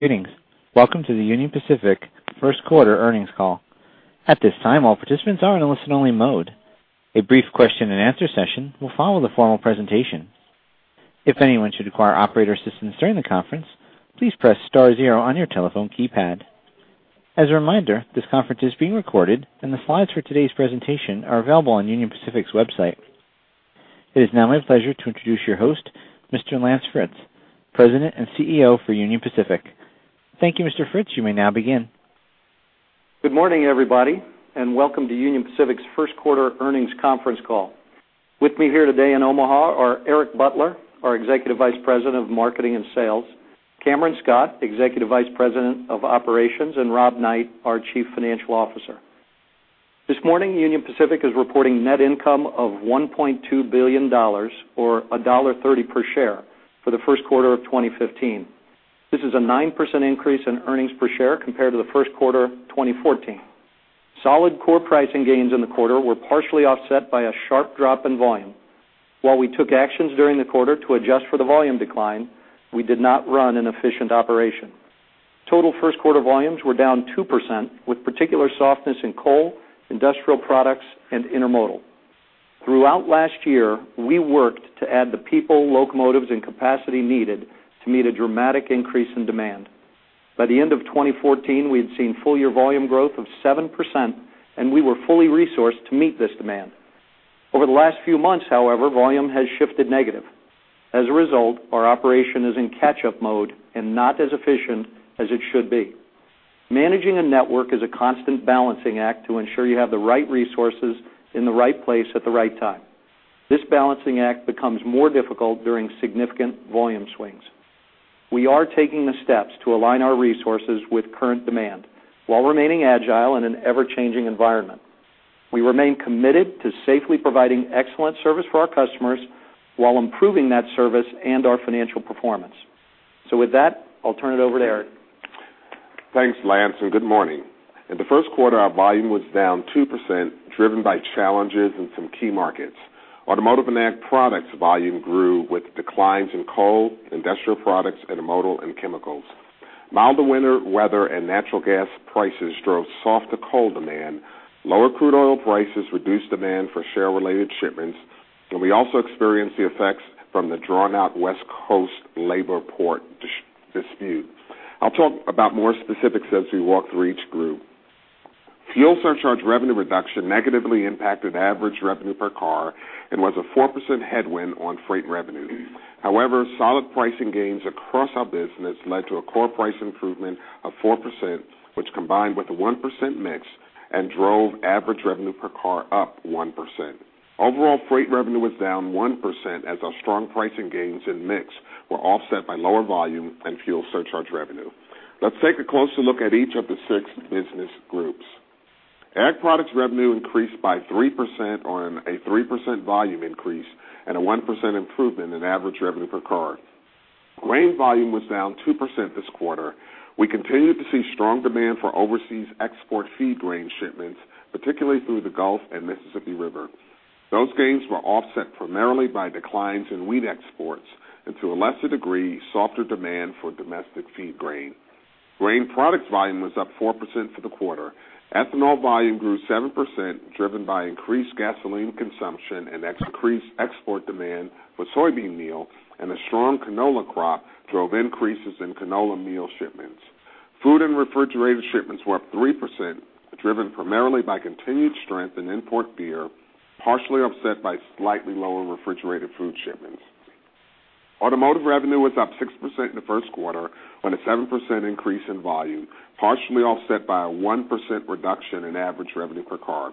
Greetings. Welcome to the Union Pacific first quarter earnings call. At this time, all participants are in a listen-only mode. A brief question-and-answer session will follow the formal presentation. If anyone should require operator assistance during the conference, please press star zero on your telephone keypad. As a reminder, this conference is being recorded, and the slides for today's presentation are available on Union Pacific's website. It is now my pleasure to introduce your host, Mr. Lance Fritz, President and CEO for Union Pacific. Thank you, Mr. Fritz. You may now begin. Good morning, everybody. Welcome to Union Pacific's first-quarter earnings conference call. With me here today in Omaha are Eric Butler, our Executive Vice President of Marketing and Sales, Cameron Scott, Executive Vice President of Operations, and Rob Knight, our Chief Financial Officer. This morning, Union Pacific is reporting net income of $1.2 billion, or $1.30 per share for the first quarter of 2015. This is a 9% increase in earnings per share compared to the first quarter of 2014. Solid core pricing gains in the quarter were partially offset by a sharp drop in volume. While we took actions during the quarter to adjust for the volume decline, we did not run an efficient operation. Total first-quarter volumes were down 2%, with particular softness in coal, industrial products, and intermodal. Throughout last year, we worked to add the people, locomotives, and capacity needed to meet a dramatic increase in demand. By the end of 2014, we had seen full-year volume growth of 7%. We were fully resourced to meet this demand. Over the last few months, however, volume has shifted negative. As a result, our operation is in catch-up mode and not as efficient as it should be. Managing a network is a constant balancing act to ensure you have the right resources in the right place at the right time. This balancing act becomes more difficult during significant volume swings. We are taking the steps to align our resources with current demand while remaining agile in an ever-changing environment. We remain committed to safely providing excellent service for our customers while improving that service and our financial performance. With that, I'll turn it over to Eric. Thanks, Lance. Good morning. In the first quarter, our volume was down 2%, driven by challenges in some key markets. Automotive and ag products volume grew with declines in coal, industrial products, intermodal, and chemicals. Milder winter weather and natural gas prices drove softer coal demand. Lower crude oil prices reduced demand for shale-related shipments. We also experienced the effects from the drawn-out West Coast labor port dispute. I'll talk about more specifics as we walk through each group. Fuel surcharge revenue reduction negatively impacted average revenue per car and was a 4% headwind on freight revenue. Solid pricing gains across our business led to a core price improvement of 4%, which combined with the 1% mix and drove average revenue per car up 1%. Overall, freight revenue was down 1% as our strong pricing gains in mix were offset by lower volume and fuel surcharge revenue. Let's take a closer look at each of the six business groups. Ag products revenue increased by 3% on a 3% volume increase and a 1% improvement in average revenue per car. Grain volume was down 2% this quarter. We continued to see strong demand for overseas export feed grain shipments, particularly through the Gulf and Mississippi River. Those gains were offset primarily by declines in wheat exports and, to a lesser degree, softer demand for domestic feed grain. Grain products volume was up 4% for the quarter. Ethanol volume grew 7%, driven by increased gasoline consumption and increased export demand for soybean meal, and a strong canola crop drove increases in canola meal shipments. Food and refrigerated shipments were up 3%, driven primarily by continued strength in import beer, partially offset by slightly lower refrigerated food shipments. Automotive revenue was up 6% in the first quarter on a 7% increase in volume, partially offset by a 1% reduction in average revenue per car.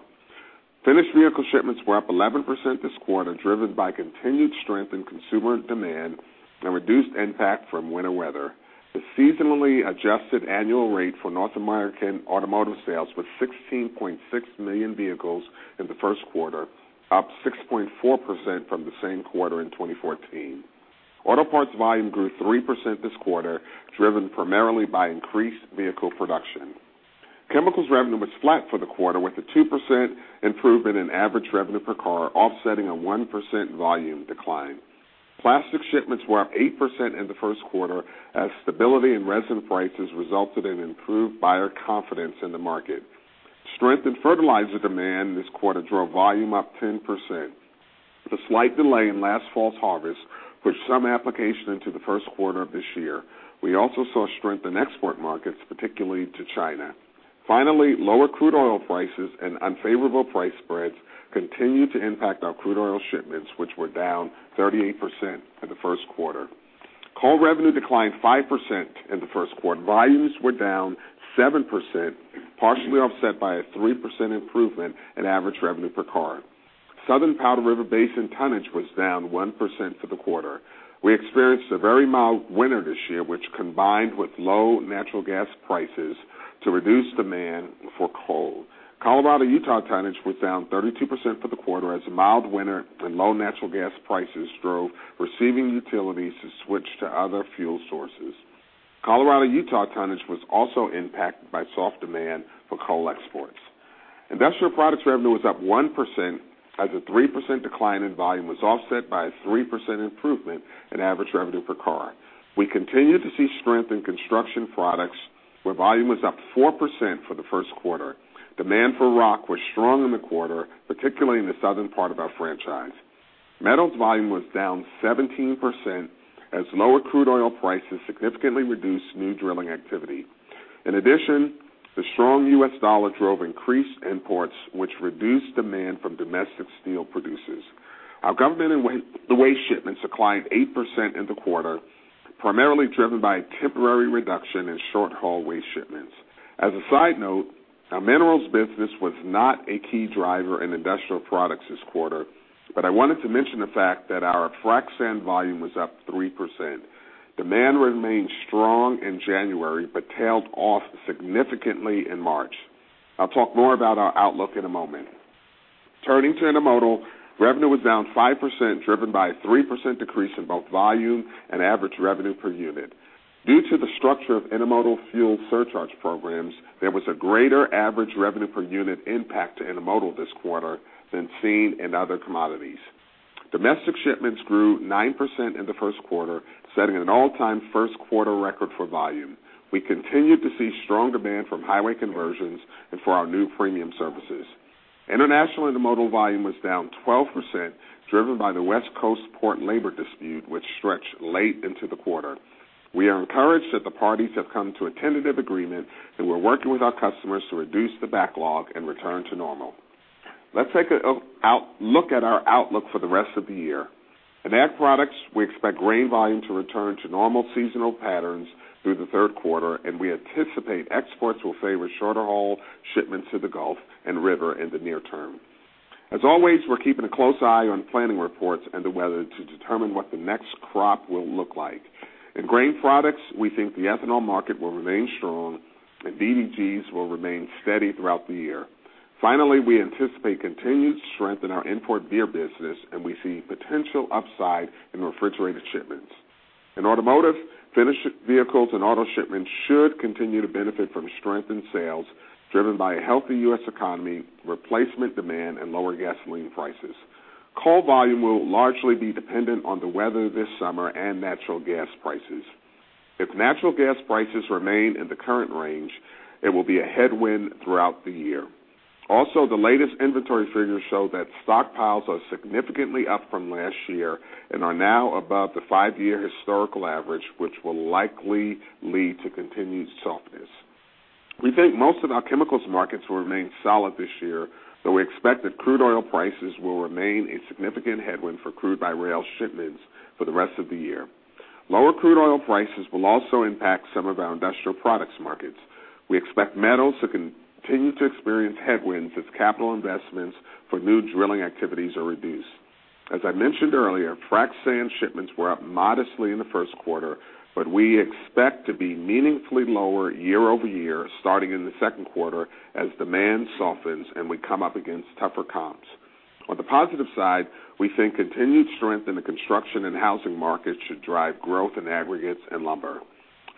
Finished vehicle shipments were up 11% this quarter, driven by continued strength in consumer demand and reduced impact from winter weather. The seasonally adjusted annual rate for North American automotive sales was 16.6 million vehicles in the first quarter, up 6.4% from the same quarter in 2014. Auto parts volume grew 3% this quarter, driven primarily by increased vehicle production. Chemicals revenue was flat for the quarter with a 2% improvement in average revenue per car offsetting a 1% volume decline. Plastic shipments were up 8% in the first quarter as stability in resin prices resulted in improved buyer confidence in the market. Strength in fertilizer demand this quarter drove volume up 10%. The slight delay in last fall's harvest pushed some application into the first quarter of this year. We also saw strength in export markets, particularly to China. Finally, lower crude oil prices and unfavorable price spreads continued to impact our crude oil shipments, which were down 38% in the first quarter. Coal revenue declined 5% in the first quarter. Volumes were down 7%, partially offset by a 3% improvement in average revenue per car. Southern Powder River Basin tonnage was down 1% for the quarter. We experienced a very mild winter this year, which combined with low natural gas prices to reduce demand for coal. Colorado-Utah tonnage was down 32% for the quarter as a mild winter and low natural gas prices drove receiving utilities to switch to other fuel sources. Colorado-Utah tonnage was also impacted by soft demand for coal exports. Industrial Products revenue was up 1%, as a 3% decline in volume was offset by a 3% improvement in average revenue per car. We continue to see strength in construction products, where volume was up 4% for the first quarter. Demand for rock was strong in the quarter, particularly in the southern part of our franchise. Metals volume was down 17%, as lower crude oil prices significantly reduced new drilling activity. In addition, the strong U.S. dollar drove increased imports, which reduced demand from domestic steel producers. Our government and waste shipments declined 8% in the quarter, primarily driven by a temporary reduction in short-haul waste shipments. As a side note, our minerals business was not a key driver in Industrial Products this quarter, but I wanted to mention the fact that our frac sand volume was up 3%. Demand remained strong in January but tailed off significantly in March. I'll talk more about our outlook in a moment. Turning to Intermodal, revenue was down 5%, driven by a 3% decrease in both volume and average revenue per unit. Due to the structure of intermodal fuel surcharge programs, there was a greater average revenue per unit impact to Intermodal this quarter than seen in other commodities. Domestic shipments grew 9% in the first quarter, setting an all-time first-quarter record for volume. We continued to see strong demand from highway conversions and for our new premium services. International Intermodal volume was down 12%, driven by the West Coast port labor dispute, which stretched late into the quarter. We are encouraged that the parties have come to a tentative agreement, we're working with our customers to reduce the backlog and return to normal. Let's take a look at our outlook for the rest of the year. In Ag Products, we expect grain volume to return to normal seasonal patterns through the third quarter, we anticipate exports will favor shorter-haul shipments to the Gulf and river in the near term. As always, we're keeping a close eye on planning reports and the weather to determine what the next crop will look like. In Grain Products, we think the ethanol market will remain strong, DDGs will remain steady throughout the year. Finally, we anticipate continued strength in our import beer business, we see potential upside in refrigerated shipments. In Automotive, finished vehicles and auto shipments should continue to benefit from strengthened sales, driven by a healthy U.S. economy, replacement demand, and lower gasoline prices. Coal volume will largely be dependent on the weather this summer and natural gas prices. If natural gas prices remain in the current range, it will be a headwind throughout the year. The latest inventory figures show that stockpiles are significantly up from last year and are now above the five-year historical average, which will likely lead to continued softness. We think most of our Chemicals markets will remain solid this year, though we expect that crude oil prices will remain a significant headwind for crude-by-rail shipments for the rest of the year. Lower crude oil prices will also impact some of our Industrial Products markets. We expect Metals to continue to experience headwinds as capital investments for new drilling activities are reduced. As I mentioned earlier, frac sand shipments were up modestly in the first quarter, we expect to be meaningfully lower year-over-year, starting in the second quarter, as demand softens and we come up against tougher comps. On the positive side, we think continued strength in the construction and housing market should drive growth in aggregates and lumber.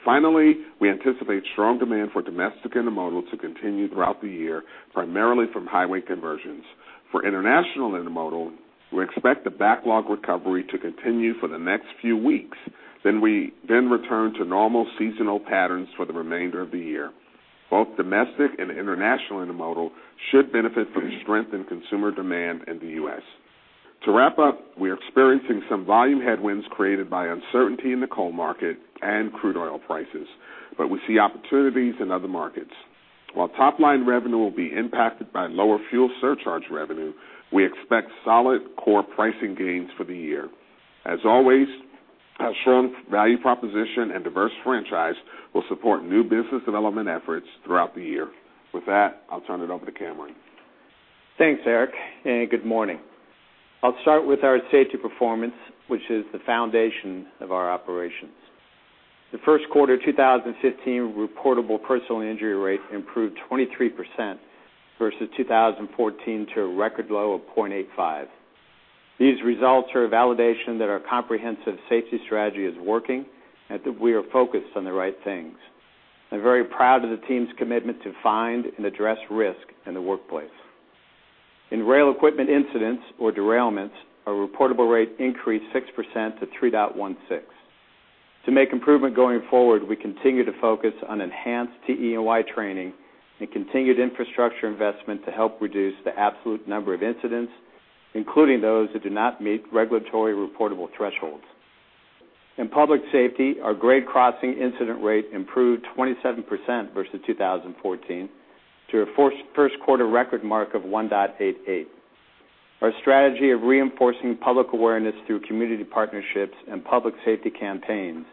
Finally, we anticipate strong demand for domestic Intermodal to continue throughout the year, primarily from highway conversions. For international Intermodal, we expect the backlog recovery to continue for the next few weeks, return to normal seasonal patterns for the remainder of the year. Both domestic and international Intermodal should benefit from the strength in consumer demand in the U.S. To wrap up, we are experiencing some volume headwinds created by uncertainty in the coal market and crude oil prices, we see opportunities in other markets. While top-line revenue will be impacted by lower fuel surcharge revenue, we expect solid core pricing gains for the year. As always, our strong value proposition and diverse franchise will support new business development efforts throughout the year. With that, I'll turn it over to Cameron. Thanks, Eric, and good morning. I'll start with our safety performance, which is the foundation of our operations. The first quarter 2015 reportable personal injury rate improved 23% versus 2014 to a record low of 0.85. These results are a validation that our comprehensive safety strategy is working and that we are focused on the right things. I'm very proud of the team's commitment to find and address risk in the workplace. In rail equipment incidents or derailments, our reportable rate increased 6% to 3.16. To make improvement going forward, we continue to focus on enhanced TE&Y training and continued infrastructure investment to help reduce the absolute number of incidents, including those that do not meet regulatory reportable thresholds. In public safety, our grade crossing incident rate improved 27% versus 2014 to a first-quarter record mark of 1.88. Our strategy of reinforcing public awareness through community partnerships and public safety campaigns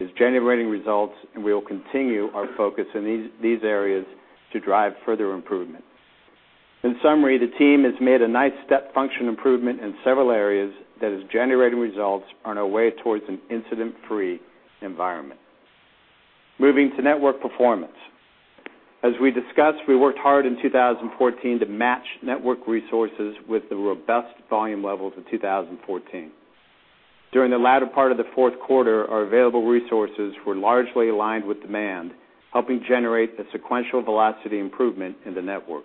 is generating results. We will continue our focus in these areas to drive further improvement. In summary, the team has made a nice step function improvement in several areas that is generating results on our way towards an incident-free environment. Moving to network performance. As we discussed, we worked hard in 2014 to match network resources with the robust volume levels of 2014. During the latter part of the fourth quarter, our available resources were largely aligned with demand, helping generate a sequential velocity improvement in the network.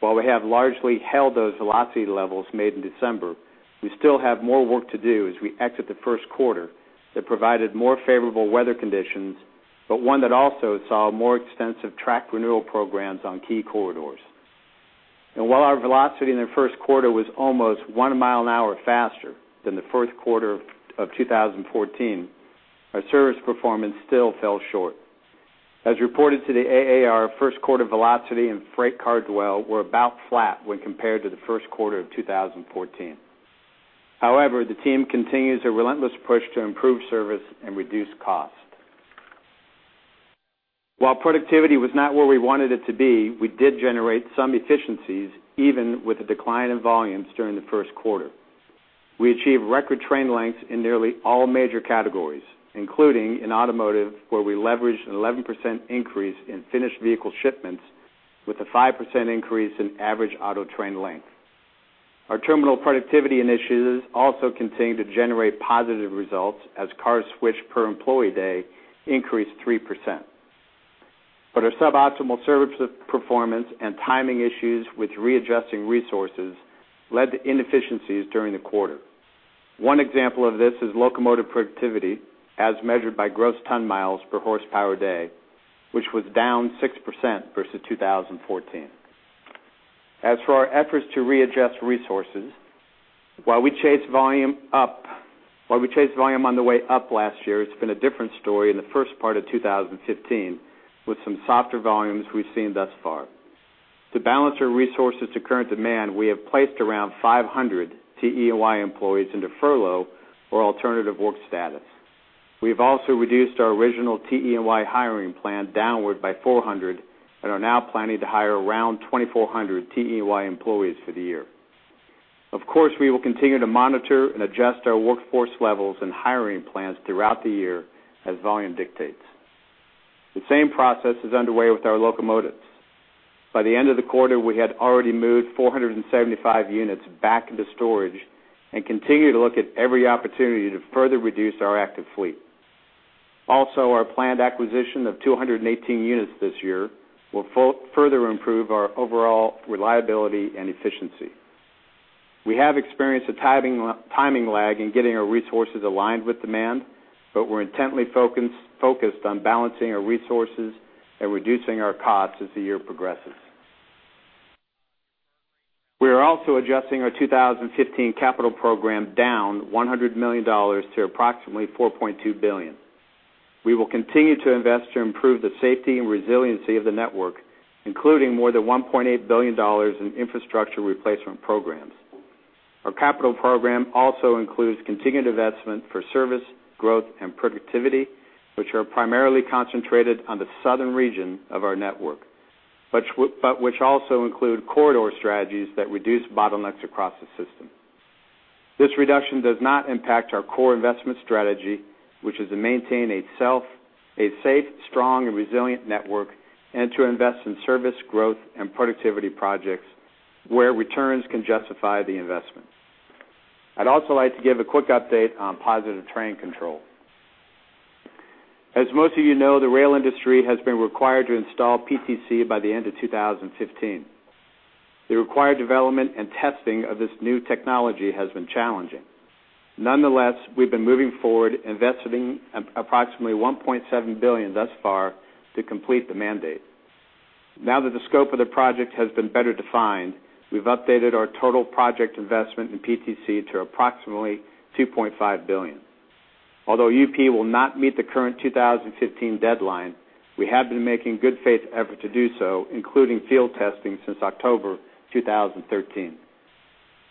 While we have largely held those velocity levels made in December, we still have more work to do as we exit the first quarter that provided more favorable weather conditions. One that also saw more extensive track renewal programs on key corridors. While our velocity in the first quarter was almost one mile an hour faster than the first quarter of 2014, our service performance still fell short. As reported to the AAR, first quarter velocity and freight car dwell were about flat when compared to the first quarter of 2014. However, the team continues a relentless push to improve service and reduce cost. While productivity was not where we wanted it to be, we did generate some efficiencies, even with the decline in volumes during the first quarter. We achieved record train lengths in nearly all major categories, including in automotive where we leveraged an 11% increase in finished vehicle shipments with a 5% increase in average auto train length. Our terminal productivity initiatives also continue to generate positive results as cars switched per employee day increased 3%. Our suboptimal service performance and timing issues with readjusting resources led to inefficiencies during the quarter. One example of this is locomotive productivity as measured by Gross Ton-Miles per Horsepower Day, which was down 6% versus 2014. As for our efforts to readjust resources, while we chase volume on the way up last year, it's been a different story in the first part of 2015, with some softer volumes we've seen thus far. To balance our resources to current demand, we have placed around 500 TE&Y employees into furlough or alternative work status. We've also reduced our original TE&Y hiring plan downward by 400 and are now planning to hire around 2,400 TE&Y employees for the year. Of course, we will continue to monitor and adjust our workforce levels and hiring plans throughout the year as volume dictates. The same process is underway with our locomotives. By the end of the quarter, we had already moved 475 units back into storage and continue to look at every opportunity to further reduce our active fleet. Also, our planned acquisition of 218 units this year will further improve our overall reliability and efficiency. We have experienced a timing lag in getting our resources aligned with demand, we're intently focused on balancing our resources and reducing our costs as the year progresses. We are also adjusting our 2015 capital program down $100 million to approximately $4.2 billion. We will continue to invest to improve the safety and resiliency of the network, including more than $1.8 billion in infrastructure replacement programs. Our capital program also includes continued investment for service, growth and productivity, which are primarily concentrated on the southern region of our network, but which also include corridor strategies that reduce bottlenecks across the system. This reduction does not impact our core investment strategy, which is to maintain a safe, strong and resilient network and to invest in service, growth and productivity projects where returns can justify the investment. I'd also like to give a quick update on Positive Train Control. As most of you know, the rail industry has been required to install PTC by the end of 2015. The required development and testing of this new technology has been challenging. Nonetheless, we've been moving forward, investing approximately $1.7 billion thus far to complete the mandate. Now that the scope of the project has been better defined, we've updated our total project investment in PTC to approximately $2.5 billion. Although UP will not meet the current 2015 deadline, we have been making good faith effort to do so, including field testing since October 2013.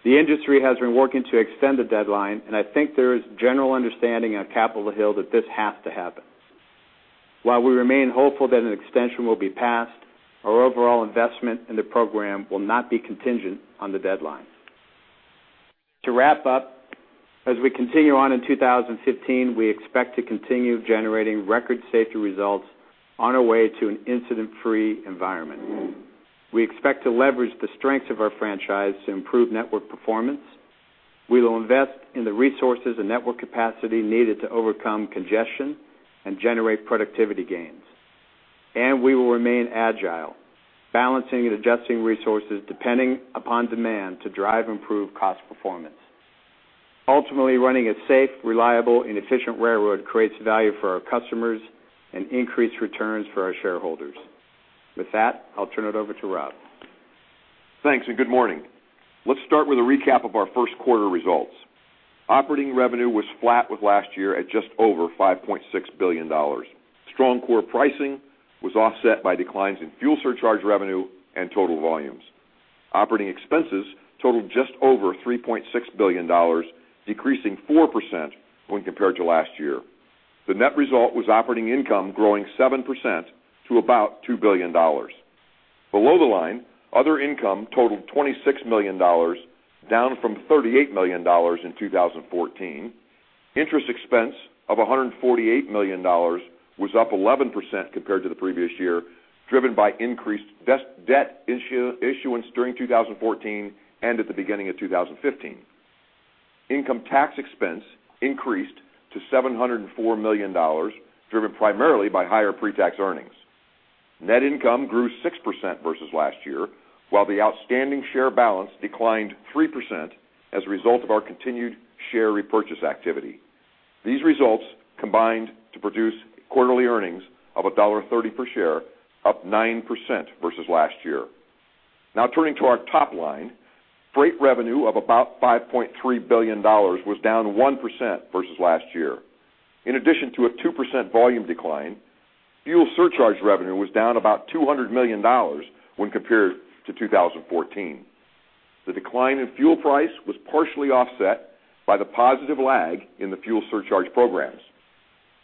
The industry has been working to extend the deadline, I think there is general understanding on Capitol Hill that this has to happen. While we remain hopeful that an extension will be passed, our overall investment in the program will not be contingent on the deadline. To wrap up, as we continue on in 2015, we expect to continue generating record safety results on our way to an incident-free environment. We expect to leverage the strengths of our franchise to improve network performance. We will invest in the resources and network capacity needed to overcome congestion and generate productivity gains, we will remain agile, balancing and adjusting resources depending upon demand to drive improved cost performance. Ultimately, running a safe, reliable, and efficient railroad creates value for our customers and increased returns for our shareholders. With that, I'll turn it over to Rob. Thanks. Good morning. Let's start with a recap of our first quarter results. Operating revenue was flat with last year at just over $5.6 billion. Strong core pricing was offset by declines in fuel surcharge revenue and total volumes. Operating expenses totaled just over $3.6 billion, decreasing 4% when compared to last year. The net result was operating income growing 7% to about $2 billion. Below the line, other income totaled $26 million, down from $38 million in 2014. Interest expense of $148 million was up 11% compared to the previous year. Driven by increased debt issuance during 2014 and at the beginning of 2015. Income tax expense increased to $704 million, driven primarily by higher pre-tax earnings. Net income grew 6% versus last year, while the outstanding share balance declined 3% as a result of our continued share repurchase activity. These results combined to produce quarterly earnings of $1.30 per share, up 9% versus last year. Turning to our top line. Freight revenue of about $5.3 billion was down 1% versus last year. In addition to a 2% volume decline, fuel surcharge revenue was down about $200 million when compared to 2014. The decline in fuel price was partially offset by the positive lag in the fuel surcharge programs.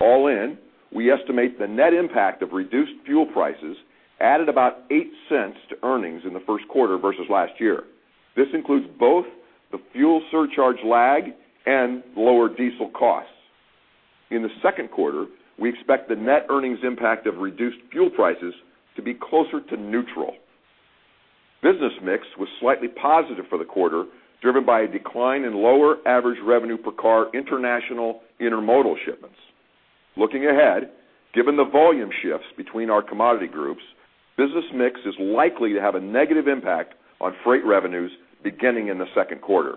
All in, we estimate the net impact of reduced fuel prices added about $0.08 to earnings in the first quarter versus last year. This includes both the fuel surcharge lag and lower diesel costs. In the second quarter, we expect the net earnings impact of reduced fuel prices to be closer to neutral. Business mix was slightly positive for the quarter, driven by a decline in lower average revenue per car international intermodal shipments. Looking ahead, given the volume shifts between our commodity groups, business mix is likely to have a negative impact on freight revenues beginning in the second quarter.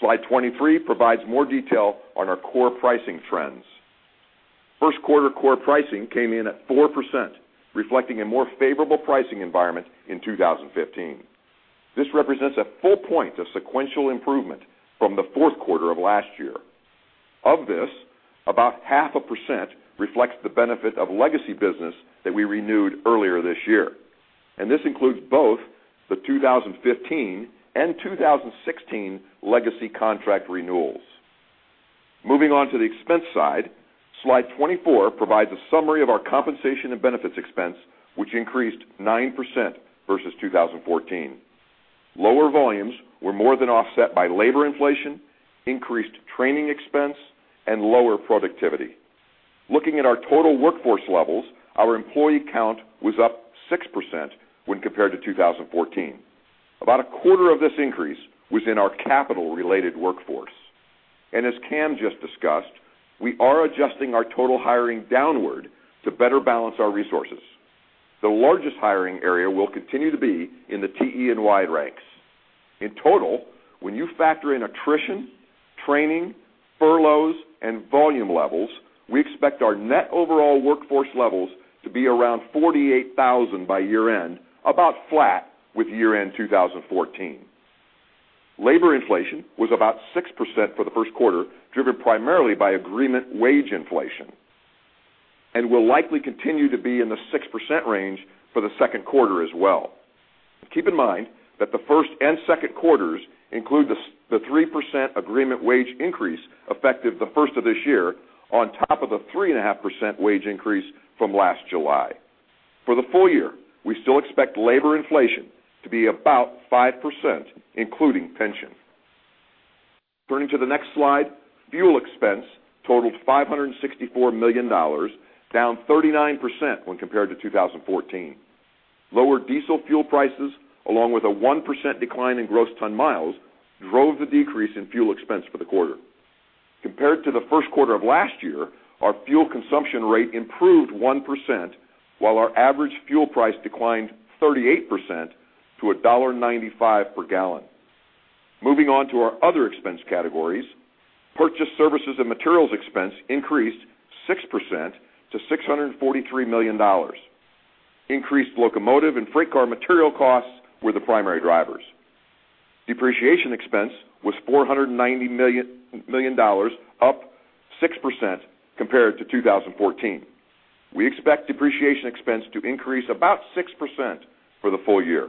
Slide 23 provides more detail on our core pricing trends. First quarter core pricing came in at 4%, reflecting a more favorable pricing environment in 2015. This represents a full point of sequential improvement from the fourth quarter of last year. Of this, about half a percent reflects the benefit of legacy business that we renewed earlier this year. This includes both the 2015 and 2016 legacy contract renewals. Moving on to the expense side, Slide 24 provides a summary of our compensation and benefits expense, which increased 9% versus 2014. Lower volumes were more than offset by labor inflation, increased training expense, and lower productivity. Looking at our total workforce levels, our employee count was up 6% when compared to 2014. About a quarter of this increase was in our capital-related workforce. As Cam just discussed, we are adjusting our total hiring downward to better balance our resources. The largest hiring area will continue to be in the TE&Y ranks. In total, when you factor in attrition, training, furloughs, and volume levels, we expect our net overall workforce levels to be around 48,000 by year-end, about flat with year-end 2014. Labor inflation was about 6% for the first quarter, driven primarily by agreement wage inflation. It will likely continue to be in the 6% range for the second quarter as well. Keep in mind that the first and second quarters include the 3% agreement wage increase effective the first of this year, on top of the 3.5% wage increase from last July. For the full year, we still expect labor inflation to be about 5%, including pension. Turning to the next slide, fuel expense totaled $564 million, down 39% when compared to 2014. Lower diesel fuel prices, along with a 1% decline in gross ton-miles, drove the decrease in fuel expense for the quarter. Compared to the first quarter of last year, our fuel consumption rate improved 1%, while our average fuel price declined 38% to $1.95 per gallon. Moving on to our other expense categories, purchased services and materials expense increased 6% to $643 million. Increased locomotive and freight car material costs were the primary drivers. Depreciation expense was $490 million, up 6% compared to 2014. We expect depreciation expense to increase about 6% for the full year.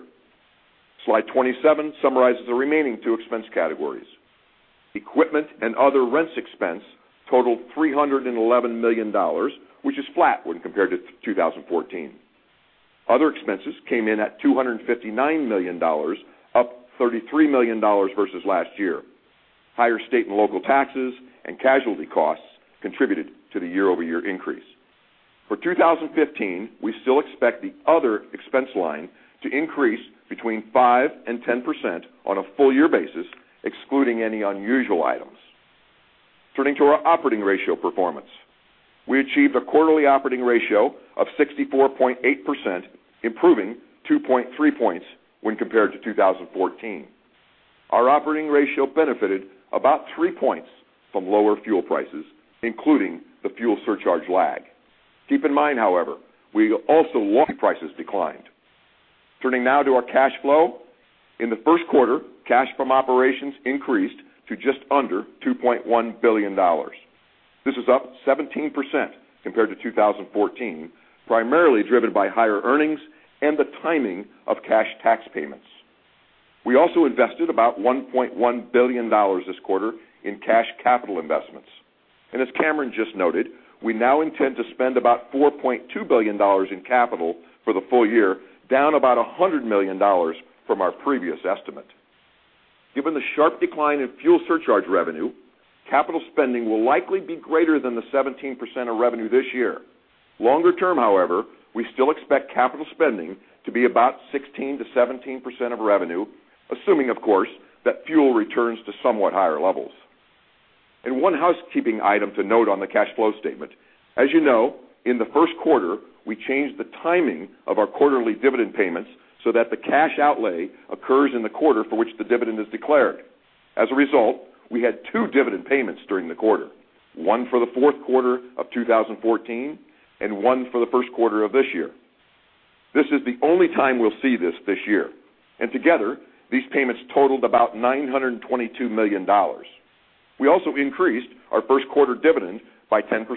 Slide 27 summarizes the remaining two expense categories. Equipment and other rents expense totaled $311 million, which is flat when compared to 2014. Other expenses came in at $259 million, up $33 million versus last year. Higher state and local taxes and casualty costs contributed to the year-over-year increase. For 2015, we still expect the other expense line to increase between 5% and 10% on a full year basis, excluding any unusual items. Turning to our operating ratio performance. We achieved a quarterly operating ratio of 64.8%, improving 2.3 points when compared to 2014. Our operating ratio benefited about three points from lower fuel prices, including the fuel surcharge lag. Keep in mind, however, we also prices declined. Turning now to our cash flow. In the first quarter, cash from operations increased to just under $2.1 billion. This is up 17% compared to 2014, primarily driven by higher earnings and the timing of cash tax payments. We also invested about $1.1 billion this quarter in cash capital investments. As Cameron just noted, we now intend to spend about $4.2 billion in capital for the full year, down about $100 million from our previous estimate. Given the sharp decline in fuel surcharge revenue, capital spending will likely be greater than the 17% of revenue this year. Longer term, however, we still expect capital spending to be about 16%-17% of revenue, assuming, of course, that fuel returns to somewhat higher levels. One housekeeping item to note on the cash flow statement. As you know, in the first quarter, we changed the timing of our quarterly dividend payments so that the cash outlay occurs in the quarter for which the dividend is declared. As a result, we had two dividend payments during the quarter, one for the fourth quarter of 2014 and one for the first quarter of this year. This is the only time we'll see this year, together, these payments totaled about $922 million. We also increased our first quarter dividend by 10%.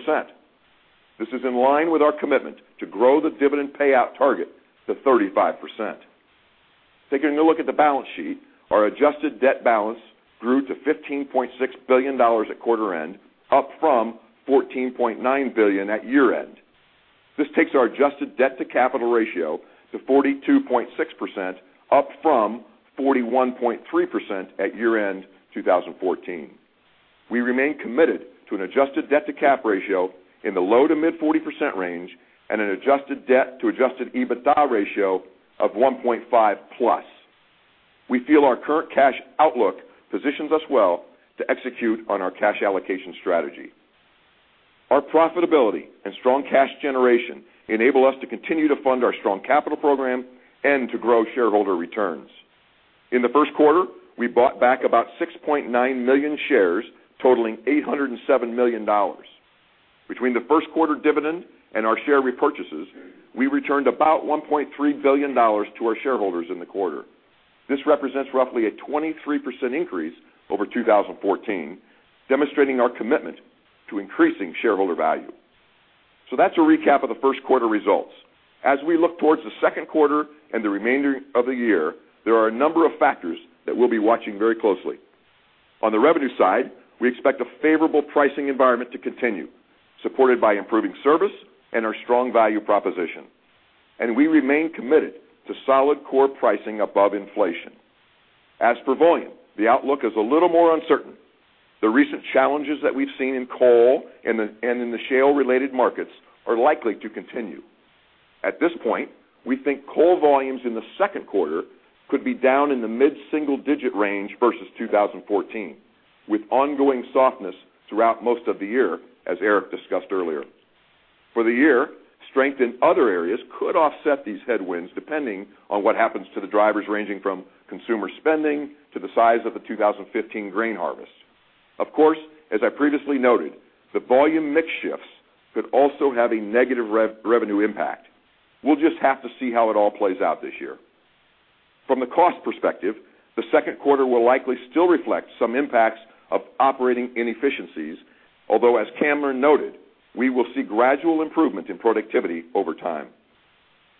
This is in line with our commitment to grow the dividend payout target to 35%. Taking a look at the balance sheet, our adjusted debt balance grew to $15.6 billion at quarter end, up from $14.9 billion at year-end. This takes our adjusted debt-to-capital ratio to 42.6%, up from 41.3% at year-end 2014. We remain committed to an adjusted debt-to-cap ratio in the low to mid 40% range and an adjusted debt to adjusted EBITDA ratio of 1.5+. We feel our current cash outlook positions us well to execute on our cash allocation strategy. Our profitability and strong cash generation enable us to continue to fund our strong capital program and to grow shareholder returns. In the first quarter, we bought back about 6.9 million shares, totaling $807 million. Between the first quarter dividend and our share repurchases, we returned about $1.3 billion to our shareholders in the quarter. This represents roughly a 23% increase over 2014, demonstrating our commitment to increasing shareholder value. That's a recap of the first quarter results. As we look towards the second quarter and the remainder of the year, there are a number of factors that we'll be watching very closely. On the revenue side, we expect a favorable pricing environment to continue, supported by improving service and our strong value proposition. We remain committed to solid core pricing above inflation. As for volume, the outlook is a little more uncertain. The recent challenges that we've seen in coal and in the shale-related markets are likely to continue. At this point, we think coal volumes in the second quarter could be down in the mid-single digit range versus 2014, with ongoing softness throughout most of the year, as Eric discussed earlier. For the year, strength in other areas could offset these headwinds, depending on what happens to the drivers ranging from consumer spending to the size of the 2015 grain harvest. Of course, as I previously noted, the volume mix shifts could also have a negative revenue impact. We'll just have to see how it all plays out this year. From the cost perspective, the second quarter will likely still reflect some impacts of operating inefficiencies, although as Cameron noted, we will see gradual improvement in productivity over time.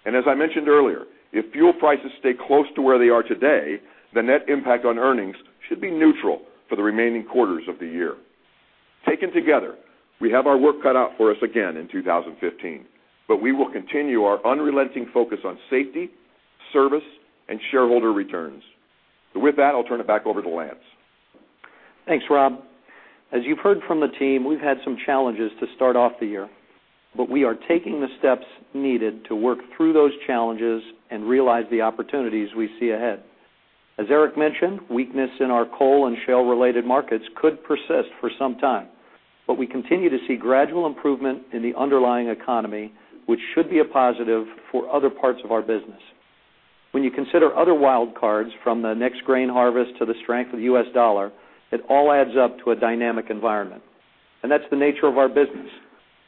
As I mentioned earlier, if fuel prices stay close to where they are today, the net impact on earnings should be neutral for the remaining quarters of the year. Taken together, we have our work cut out for us again in 2015, we will continue our unrelenting focus on safety, service, and shareholder returns. With that, I'll turn it back over to Lance. Thanks, Rob. As you've heard from the team, we've had some challenges to start off the year, we are taking the steps needed to work through those challenges and realize the opportunities we see ahead. As Eric mentioned, weakness in our coal and shale-related markets could persist for some time, we continue to see gradual improvement in the underlying economy, which should be a positive for other parts of our business. When you consider other wild cards from the next grain harvest to the strength of the U.S. dollar, it all adds up to a dynamic environment. That's the nature of our business.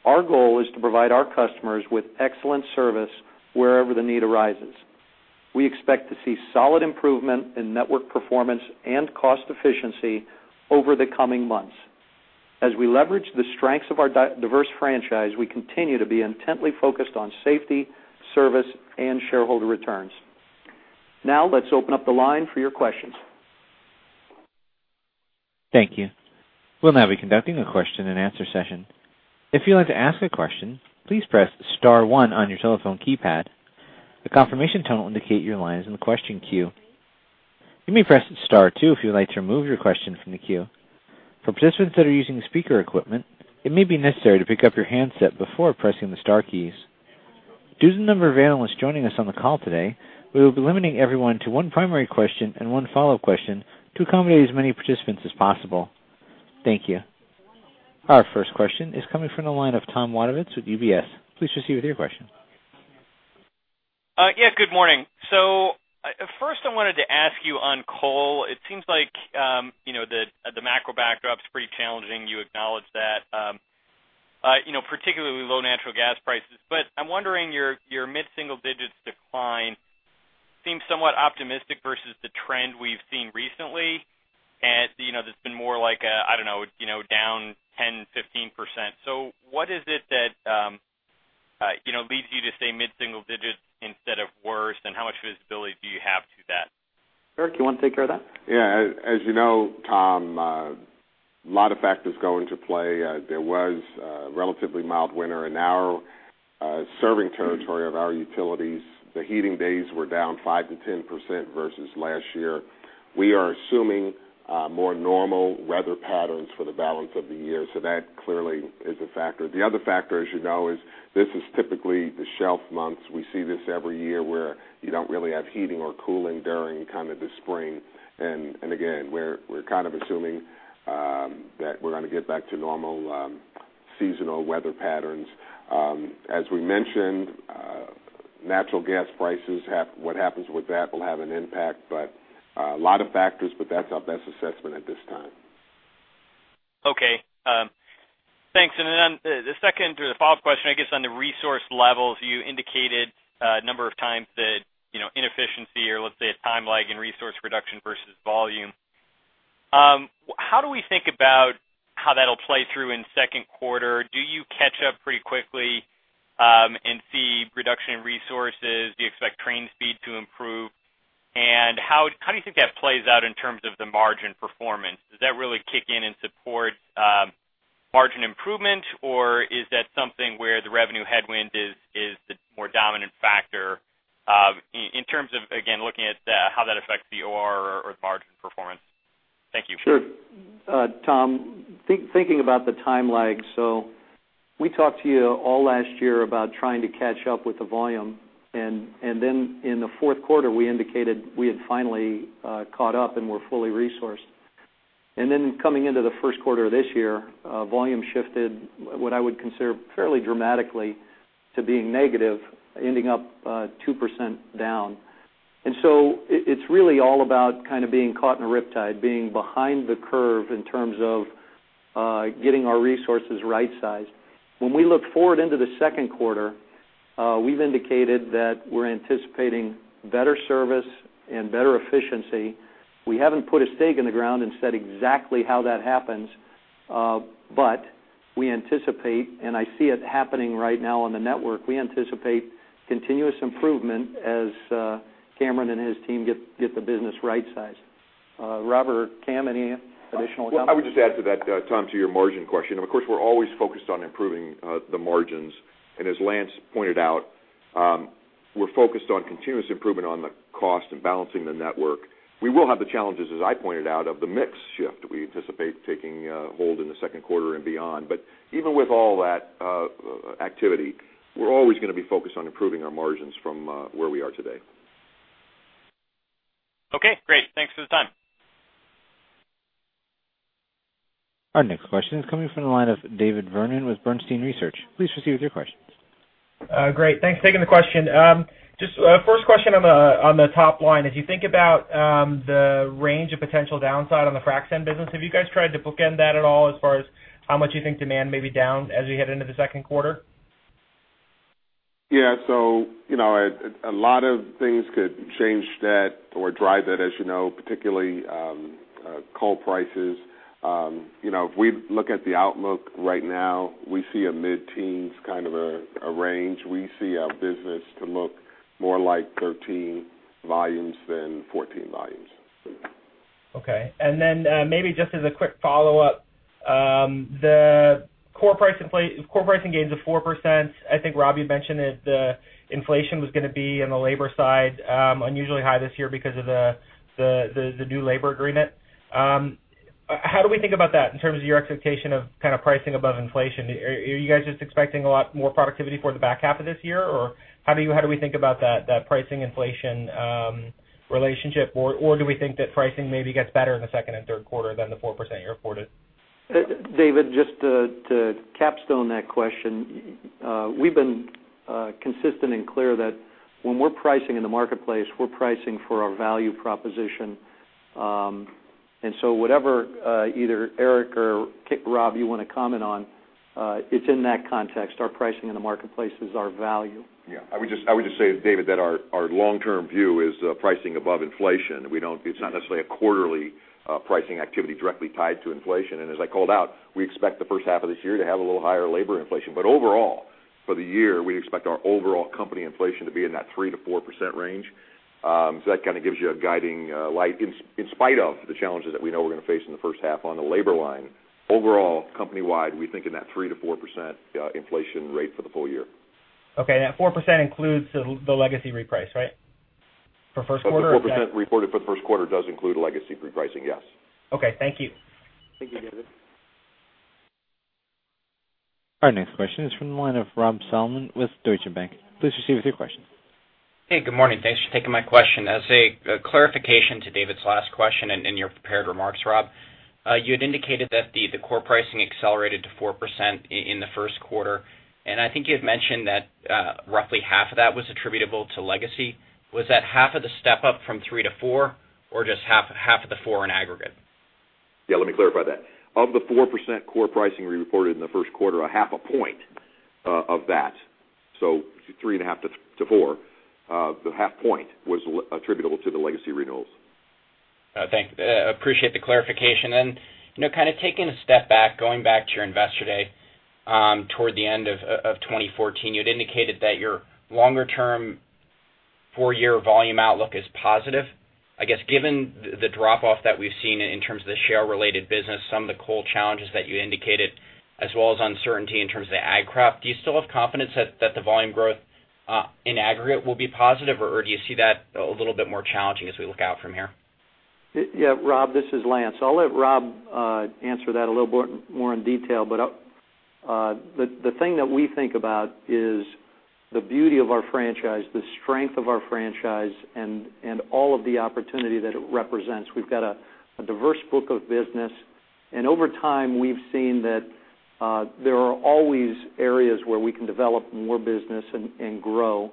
Our goal is to provide our customers with excellent service wherever the need arises. We expect to see solid improvement in network performance and cost efficiency over the coming months. As we leverage the strengths of our diverse franchise, we continue to be intently focused on safety, service, and shareholder returns. Let's open up the line for your questions. Thank you. We'll now be conducting a question and answer session. If you'd like to ask a question, please press *1 on your telephone keypad. A confirmation tone will indicate your line is in the question queue. You may press *2 if you would like to remove your question from the queue. For participants that are using speaker equipment, it may be necessary to pick up your handset before pressing the star keys. Due to the number of analysts joining us on the call today, we will be limiting everyone to one primary question and one follow-up question to accommodate as many participants as possible. Thank you. Our first question is coming from the line of Tom Wadewitz with UBS. Please proceed with your question. Good morning. First I wanted to ask you on coal, it seems like the macro backdrop's pretty challenging. You acknowledged that, particularly low natural gas prices. I'm wondering, your mid-single digits decline seems somewhat optimistic versus the trend we've seen recently. That's been more like a, I don't know, down 10%, 15%. What is it that leads you to say mid-single digits instead of worse, and how much visibility do you have to that? Eric, you want to take care of that? Yeah. As you know, Tom. A lot of factors go into play. There was a relatively mild winter in our serving territory of our utilities. The heating days were down 5%-10% versus last year. We are assuming more normal weather patterns for the balance of the year. That clearly is a factor. The other factor, as you know, is this is typically the shelf months. We see this every year where you don't really have heating or cooling during the spring. Again, we're assuming that we're going to get back to normal seasonal weather patterns. As we mentioned, natural gas prices, what happens with that will have an impact, a lot of factors, but that's our best assessment at this time. Okay. Thanks. Then the second or the follow-up question, I guess, on the resource levels, you indicated a number of times that inefficiency or let's say a time lag in resource reduction versus volume. How do we think about how that'll play through in the second quarter? Do you catch up pretty quickly and see a reduction in resources? Do you expect train speed to improve? How do you think that plays out in terms of the margin performance? Does that really kick in and support margin improvement? Is that something where the revenue headwind is the more dominant factor in terms of, again, looking at how that affects the OR or margin performance? Thank you. Sure. Tom, thinking about the time lag, we talked to you all last year about trying to catch up with the volume, then in the fourth quarter, we indicated we had finally caught up and were fully resourced. Then coming into the first quarter of this year, volume shifted, what I would consider fairly dramatically, to being negative, ending up 2% down. It's really all about kind of being caught in a rip tide, being behind the curve in terms of getting our resources right sized. When we look forward into the second quarter, we've indicated that we're anticipating better service and better efficiency. We haven't put a stake in the ground and said exactly how that happens, but we anticipate, and I see it happening right now on the network, we anticipate continuous improvement as Cameron and his team get the business right sized. Rob or Cam, any additional comments? Well, I would just add to that, Tom, to your margin question. Of course, we're always focused on improving the margins. As Lance pointed out, we're focused on continuous improvement on the cost and balancing the network. We will have the challenges, as I pointed out, of the mix shift we anticipate taking hold in the second quarter and beyond. Even with all that activity, we're always going to be focused on improving our margins from where we are today. Okay, great. Thanks for the time. Our next question is coming from the line of David Vernon with Bernstein Research. Please proceed with your questions. Great. Thanks for taking the question. Just first question on the top line. As you think about the range of potential downside on the frac sand business, have you guys tried to bookend that at all as far as how much you think demand may be down as we head into the second quarter? Yeah. A lot of things could change that or drive that, as you know, particularly coal prices. If we look at the outlook right now, we see a mid-teens kind of a range. We see our business to look more like 13 volumes than 14 volumes. Okay. Maybe just as a quick follow-up, the core pricing gains of 4%. I think Rob, you mentioned that the inflation was going to be on the labor side unusually high this year because of the new labor agreement. How do we think about that in terms of your expectation of kind of pricing above inflation? Are you guys just expecting a lot more productivity for the back half of this year? How do we think about that pricing inflation relationship? Do we think that pricing maybe gets better in the second and third quarter than the 4% you reported? David, just to capstone that question, we've been consistent and clear that when we're pricing in the marketplace, we're pricing for our value proposition. Whatever, either Eric or Rob you want to comment on, it's in that context. Our pricing in the marketplace is our value. Yeah. I would just say, David, that our long-term view is pricing above inflation. It's not necessarily a quarterly pricing activity directly tied to inflation. As I called out, we expect the first half of this year to have a little higher labor inflation. Overall, for the year, we expect our overall company inflation to be in that 3%-4% range. That kind of gives you a guiding light in spite of the challenges that we know we're going to face in the first half on the labor line. Overall, company-wide, we think in that 3%-4% inflation rate for the full year. Okay. That 4% includes the legacy reprice, right? For first quarter? The 4% reported for the first quarter does include legacy repricing, yes. Okay. Thank you. Thank you, David. Our next question is from the line of Rob Salmon with Deutsche Bank. Please proceed with your question. Hey, good morning. Thanks for taking my question. As a clarification to David's last question and in your prepared remarks, Rob, you had indicated that the core pricing accelerated to 4% in the first quarter, and I think you had mentioned that roughly half of that was attributable to legacy. Was that half of the step up from three to four, or just half of the four in aggregate? Yeah, let me clarify that. Of the 4% core pricing we reported in the first quarter, a half a point of that, so three and a half to four, the half point was attributable to the legacy renewals. Thanks. Appreciate the clarification. Kind of taking a step back, going back to your Investor Day toward the end of 2014, you had indicated that your longer-term full year volume outlook is positive. I guess, given the drop-off that we've seen in terms of the frac-related business, some of the coal challenges that you indicated, as well as uncertainty in terms of the ag crop, do you still have confidence that the volume growth in aggregate will be positive, or do you see that a little bit more challenging as we look out from here? Yeah, Rob, this is Lance. I'll let Rob answer that a little more in detail. The thing that we think about is the beauty of our franchise, the strength of our franchise, and all of the opportunity that it represents. We've got a diverse book of business, over time, we've seen that there are always areas where we can develop more business and grow.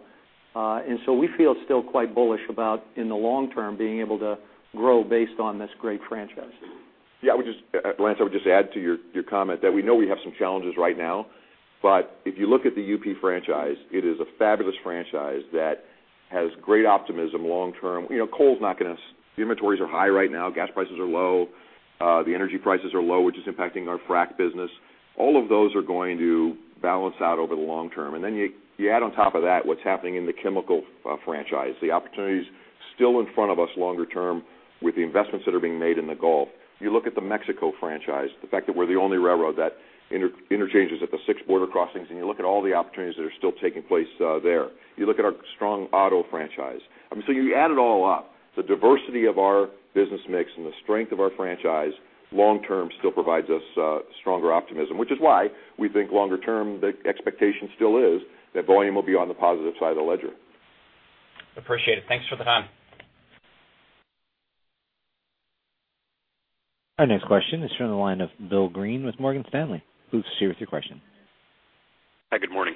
We feel still quite bullish about, in the long term, being able to grow based on this great franchise. Yeah, Lance, I would just add to your comment that we know we have some challenges right now, but if you look at the UP franchise, it is a fabulous franchise that has great optimism long term. The inventories are high right now. Gas prices are low. The energy prices are low, which is impacting our frac business. All of those are going to balance out over the long term. You add on top of that what's happening in the chemical franchise, the opportunity's still in front of us longer term with the investments that are being made in the Gulf. You look at the Mexico franchise, the fact that we're the only railroad that interchanges at the six border crossings, you look at all the opportunities that are still taking place there. You look at our strong auto franchise. You add it all up, the diversity of our business mix and the strength of our franchise long term still provides us stronger optimism, which is why we think longer term, the expectation still is that volume will be on the positive side of the ledger. Appreciate it. Thanks for the time. Our next question is from the line of William Greene with Morgan Stanley. Please share with your question. Hi, good morning.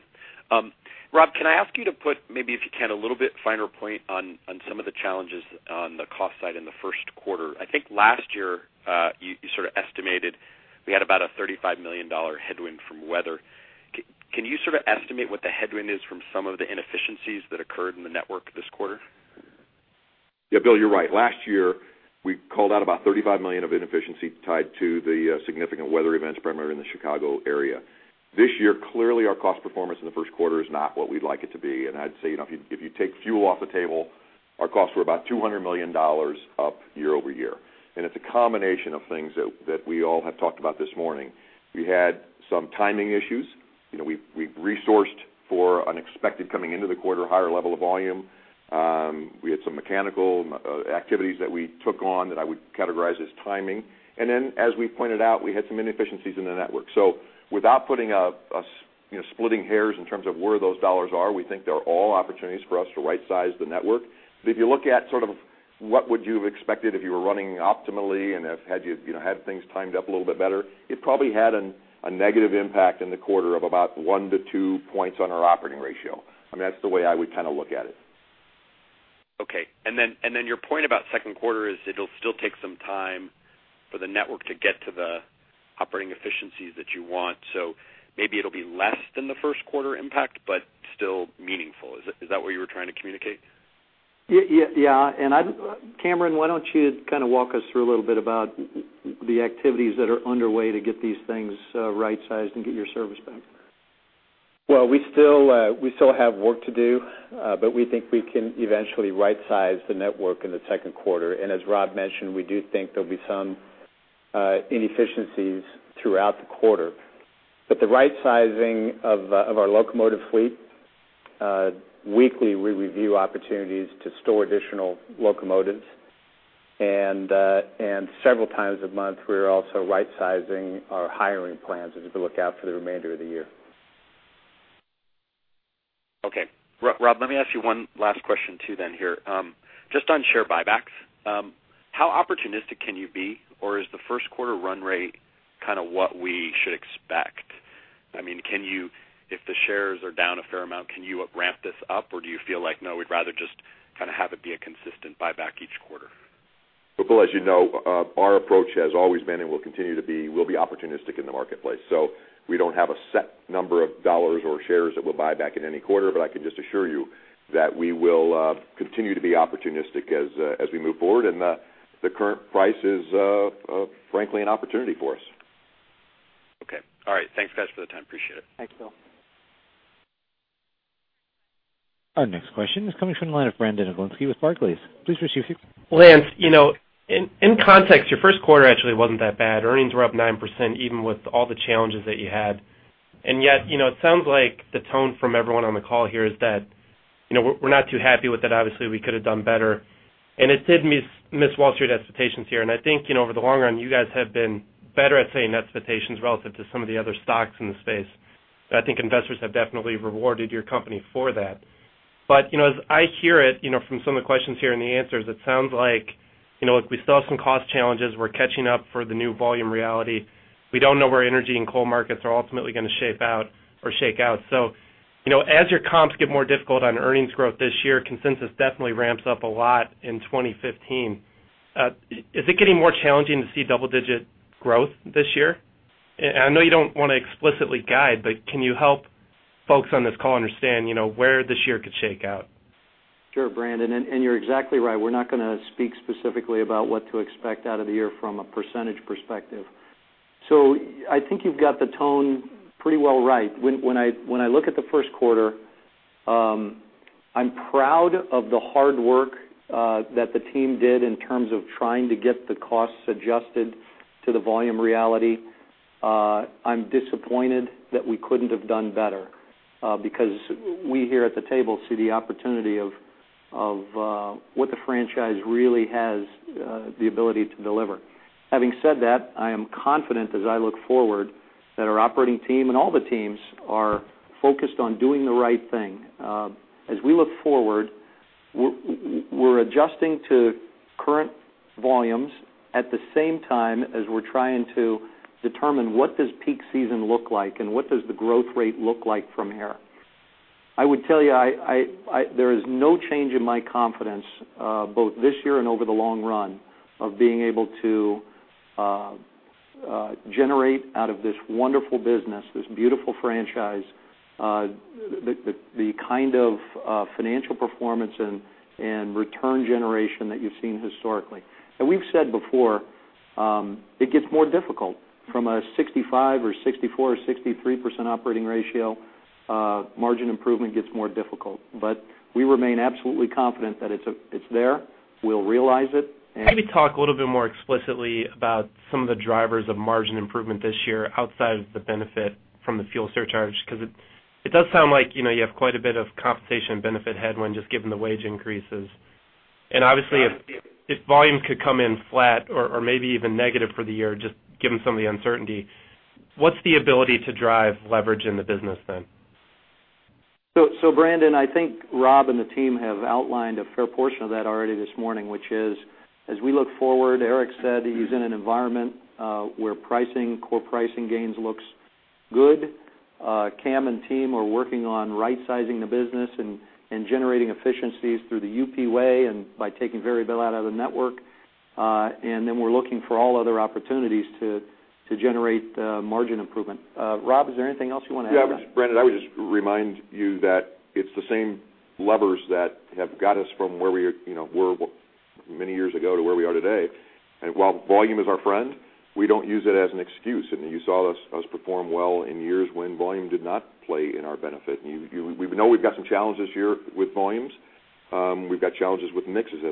Rob, can I ask you to put, maybe if you can, a little bit finer point on some of the challenges on the cost side in the first quarter? I think last year, you sort of estimated we had about a $35 million headwind from weather. Can you sort of estimate what the headwind is from some of the inefficiencies that occurred in the network this quarter? Yeah, Bill, you're right. Last year, we called out about $35 million of inefficiency tied to the significant weather events, primarily in the Chicago area. This year, clearly our cost performance in the first quarter is not what we'd like it to be. I'd say, if you take fuel off the table, our costs were about $200 million up year-over-year. It's a combination of things that we all have talked about this morning. We had some timing issues. We've resourced for unexpected coming into the quarter, higher level of volume. We had some mechanical activities that we took on that I would categorize as timing. Then, as we pointed out, we had some inefficiencies in the network. Without splitting hairs in terms of where those dollars are, we think they're all opportunities for us to right-size the network. If you look at sort of what would you have expected if you were running optimally and had things timed up a little bit better, it probably had a negative impact in the quarter of about one to two points on our operating ratio. That's the way I would kind of look at it. Okay. Your point about second quarter is it'll still take some time for the network to get to the operating efficiencies that you want. Maybe it'll be less than the first quarter impact, but still meaningful. Is that what you were trying to communicate? Yeah. Cameron, why don't you kind of walk us through a little bit about the activities that are underway to get these things right-sized and get your service back? Well, we still have work to do, we think we can eventually right-size the network in the second quarter. As Rob mentioned, we do think there'll be some inefficiencies throughout the quarter. The right-sizing of our locomotive fleet, weekly, we review opportunities to store additional locomotives, and several times a month, we're also right-sizing our hiring plans as we look out for the remainder of the year. Okay. Rob, let me ask you one last question too here. Just on share buybacks, how opportunistic can you be, or is the first quarter run rate kind of what we should expect? If the shares are down a fair amount, can you ramp this up, or do you feel like, no, we'd rather just kind of have it be a consistent buyback each quarter? Well, Bill, as you know, our approach has always been and will continue to be, we'll be opportunistic in the marketplace. We don't have a set number of dollars or shares that we'll buy back in any quarter, I can just assure you that we will continue to be opportunistic as we move forward, and the current price is, frankly, an opportunity for us. Okay. All right. Thanks, guys, for the time. Appreciate it. Thanks, Bill. Our next question is coming from the line of Brandon Oglenski with Barclays. Please proceed. Lance, in context, your first quarter actually wasn't that bad. Earnings were up 9%, even with all the challenges that you had. Yet, it sounds like the tone from everyone on the call here is that we're not too happy with it. Obviously, we could have done better. It did miss Wall Street expectations here, and I think, over the long run, you guys have been better at setting expectations relative to some of the other stocks in the space. I think investors have definitely rewarded your company for that. As I hear it, from some of the questions here and the answers, it sounds like we still have some cost challenges. We're catching up for the new volume reality. We don't know where energy and coal markets are ultimately going to shape out or shake out. As your comps get more difficult on earnings growth this year, consensus definitely ramps up a lot in 2015. Is it getting more challenging to see double-digit growth this year? I know you don't want to explicitly guide, but can you help folks on this call understand where this year could shake out? Sure, Brandon, you're exactly right. We're not going to speak specifically about what to expect out of the year from a percentage perspective. I think you've got the tone pretty well right. When I look at the first quarter, I'm proud of the hard work that the team did in terms of trying to get the costs adjusted to the volume reality. I'm disappointed that we couldn't have done better, because we here at the table see the opportunity of what the franchise really has the ability to deliver. Having said that, I am confident as I look forward that our operating team, and all the teams, are focused on doing the right thing. As we look forward, we're adjusting to current volumes at the same time as we're trying to determine what does peak season look like, and what does the growth rate look like from here. I would tell you, there is no change in my confidence, both this year and over the long run, of being able to generate out of this wonderful business, this beautiful franchise, the kind of financial performance and return generation that you've seen historically. We've said before, it gets more difficult. From a 65% or 64% or 63% operating ratio, margin improvement gets more difficult. We remain absolutely confident that it's there. We'll realize it. Maybe talk a little bit more explicitly about some of the drivers of margin improvement this year outside of the benefit from the fuel surcharge, because it does sound like you have quite a bit of compensation and benefit headwind just given the wage increases. Obviously, if volume could come in flat or maybe even negative for the year, just given some of the uncertainty, what's the ability to drive leverage in the business then? Brandon, I think Rob and the team have outlined a fair portion of that already this morning, which is, as we look forward, Eric said he's in an environment where core pricing gains looks good. Cam and team are working on right-sizing the business and generating efficiencies through the UP Way and by taking variable out of the network. Then we're looking for all other opportunities to generate margin improvement. Rob, is there anything else you want to add? Yeah, Brandon, I would just remind you that it's the same levers that have got us from where we were many years ago to where we are today. While volume is our friend, we don't use it as an excuse, and you saw us perform well in years when volume did not play in our benefit. We know we've got some challenges this year with volumes. We've got challenges with mix, as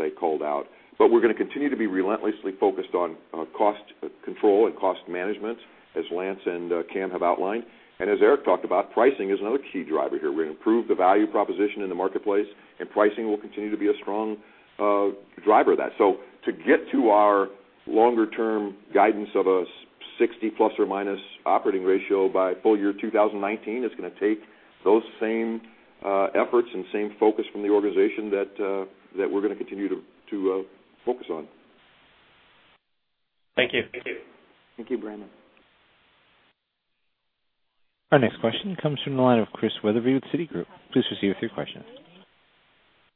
I called out, we're going to continue to be relentlessly focused on cost control and cost management, as Lance and Cam have outlined. As Eric talked about, pricing is another key driver here. We're going to improve the value proposition in the marketplace, pricing will continue to be a strong driver of that. To get to our longer term guidance of a 60 ± operating ratio by full year 2019, it's going to take those same efforts and same focus from the organization that we're going to continue to focus on. Thank you. Thank you, Brandon. Our next question comes from the line of Chris Wetherbee with Citigroup. Please proceed with your question.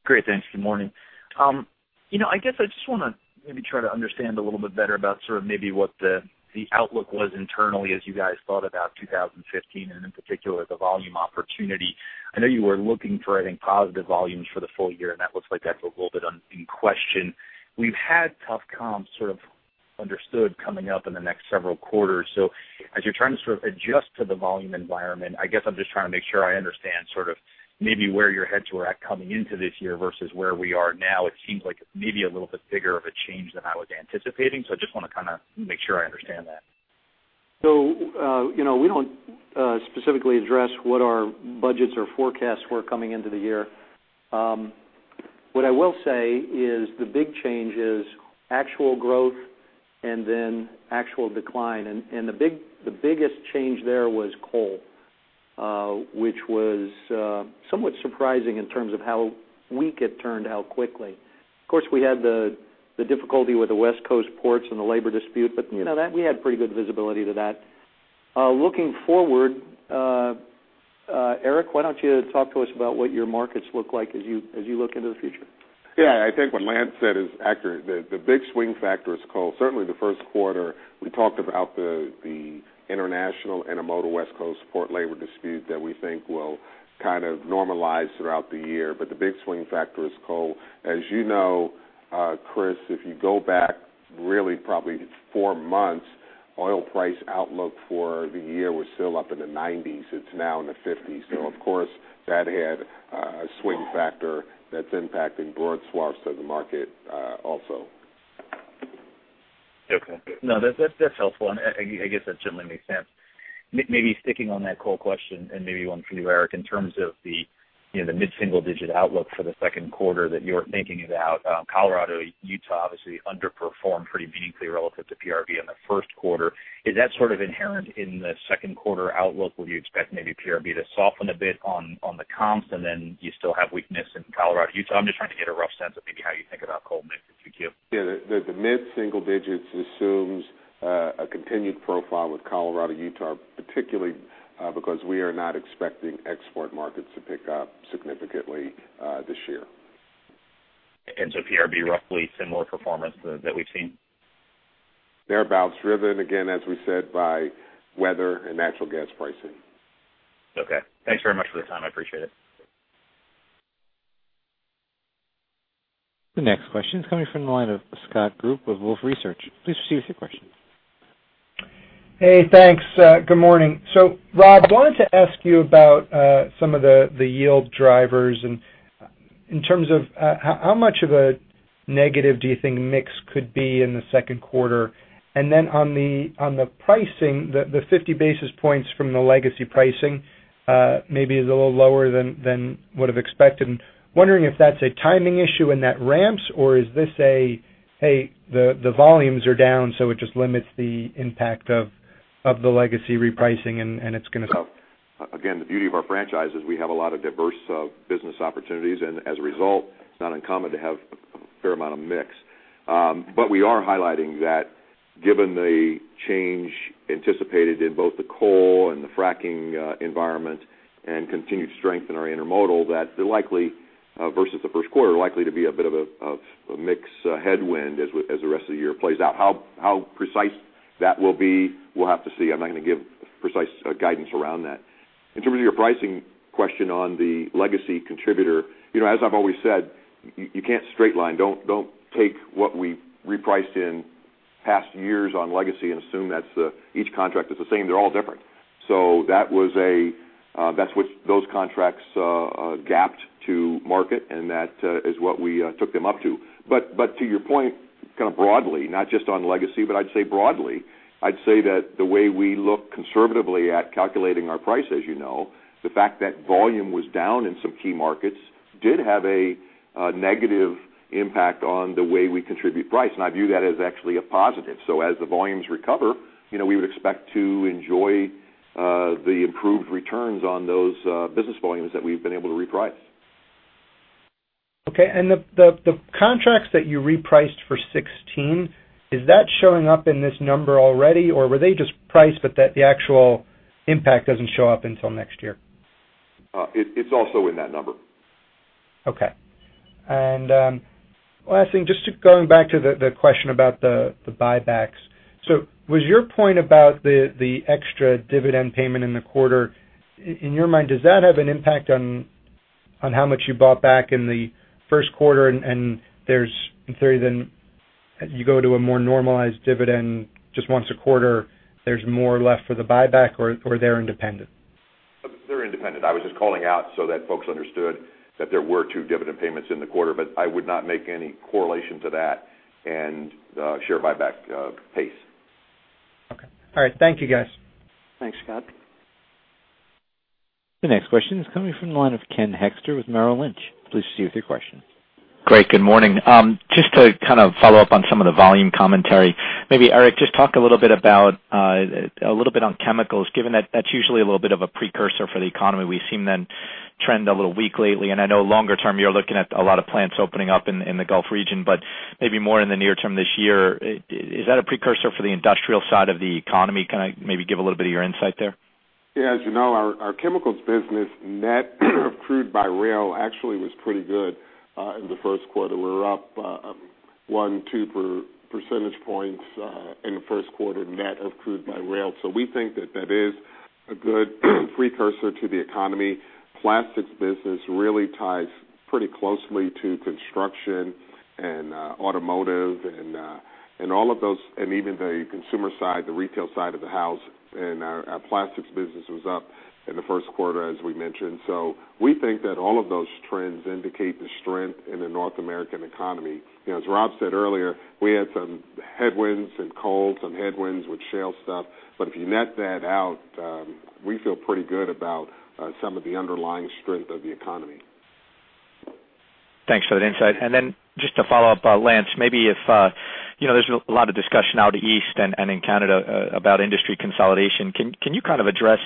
Great. Thanks. Good morning. I guess I just want to maybe try to understand a little bit better about sort of maybe what the outlook was internally as you guys thought about 2015, and in particular, the volume opportunity. I know you were looking for, I think, positive volumes for the full year, and that looks like that's a little bit in question. We've had tough comps sort of understood coming up in the next several quarters. As you're trying to sort of adjust to the volume environment, I guess I'm just trying to make sure I understand sort of maybe where your heads were at coming into this year versus where we are now. It seems like it's maybe a little bit bigger of a change than I was anticipating, so I just want to kind of make sure I understand that. We don't specifically address what our budgets or forecasts were coming into the year. What I will say is the big change is actual growth and then actual decline. The biggest change there was coal, which was somewhat surprising in terms of how weak it turned out quickly. Of course, we had the difficulty with the West Coast ports and the labor dispute, but we had pretty good visibility to that. Looking forward, Eric, why don't you talk to us about what your markets look like as you look into the future? Yeah, I think what Lance said is accurate. The big swing factor is coal. Certainly the first quarter, we talked about the international intermodal West Coast port labor dispute that we think will kind of normalize throughout the year. The big swing factor is coal. As you know, Chris, if you go back really probably four months, oil price outlook for the year was still up in the 90s. It's now in the 50s. Of course, that had a swing factor that's impacting broad swaths of the market also. Okay. No, that's helpful, and I guess that certainly makes sense. Maybe sticking on that coal question, and maybe one for you, Eric, in terms of the mid-single digit outlook for the second quarter that you are thinking about. Colorado, Utah obviously underperformed pretty meaningfully relative to PRB in the first quarter. Is that sort of inherent in the second quarter outlook? Will you expect maybe PRB to soften a bit on the comps, and then you still have weakness in Colorado, Utah? I'm just trying to get a rough sense of maybe how you think about coal mix in 2Q. Yeah, the mid-single digits assumes a continued profile with Colorado, Utah, particularly because we are not expecting export markets to pick up significantly this year. PRB, roughly similar performance that we've seen? Thereabouts, driven, again, as we said, by weather and natural gas pricing. Okay. Thanks very much for the time. I appreciate it. The next question is coming from the line of Scott Group with Wolfe Research. Please proceed with your question. Hey, thanks. Good morning. Rob, I wanted to ask you about some of the yield drivers in terms of how much of a negative do you think mix could be in the second quarter? On the pricing, the 50 basis points from the legacy pricing, maybe is a little lower than would have expected. I'm wondering if that's a timing issue and that ramps or is this a, hey, the volumes are down, so it just limits the impact of the legacy repricing and it's going to- Again, the beauty of our franchise is we have a lot of diverse business opportunities and as a result, it's not uncommon to have a fair amount of mix. We are highlighting that given the change anticipated in both the coal and the fracking environment and continued strength in our intermodal, that they're likely, versus the first quarter, likely to be a bit of a mix headwind as the rest of the year plays out. How precise that will be, we'll have to see. I'm not going to give precise guidance around that. In terms of your pricing question on the legacy contributor, as I've always said, you can't straight line. Don't take what we repriced in past years on legacy and assume that each contract is the same. They're all different. That's what those contracts gapped to market, and that is what we took them up to. To your point, kind of broadly, not just on legacy, but I'd say broadly, I'd say that the way we look conservatively at calculating our price, as you know, the fact that volume was down in some key markets did have a negative impact on the way we contribute price. I view that as actually a positive. As the volumes recover, we would expect to enjoy the improved returns on those business volumes that we've been able to reprice. Okay. The contracts that you repriced for 2016, is that showing up in this number already? Were they just priced but the actual impact doesn't show up until next year? It's also in that number. Okay. Last thing, just going back to the question about the buybacks. Was your point about the extra dividend payment in the quarter, in your mind, does that have an impact on how much you bought back in the first quarter? In theory, then you go to a more normalized dividend just once a quarter, there's more left for the buyback, or they're independent? They're independent. I was just calling out so that folks understood that there were two dividend payments in the quarter, but I would not make any correlation to that and share buyback pace. Okay. All right. Thank you, guys. Thanks, Scott. The next question is coming from the line of Ken Hoexter with Merrill Lynch. Please proceed with your question. Great. Good morning. Just to kind of follow up on some of the volume commentary. Maybe, Eric, just talk a little bit on chemicals, given that that's usually a little bit of a precursor for the economy. We've seen them trend a little weak lately, and I know longer term, you're looking at a lot of plants opening up in the Gulf region, but maybe more in the near term this year. Is that a precursor for the industrial side of the economy? Can I maybe give a little bit of your insight there? As you know, our chemicals business net crude-by-rail actually was pretty good in the first quarter. We were up one, two percentage points in the first quarter net crude-by-rail. We think that that is a good precursor to the economy. Plastics business really ties pretty closely to construction and automotive and all of those, and even the consumer side, the retail side of the house. Our plastics business was up in the first quarter, as we mentioned. We think that all of those trends indicate the strength in the North American economy. As Rob said earlier, we had some headwinds in coal, some headwinds with shale stuff. If you net that out, we feel pretty good about some of the underlying strength of the economy. Thanks for the insight. Just to follow up, Lance, there's a lot of discussion out East and in Canada about industry consolidation. Can you kind of address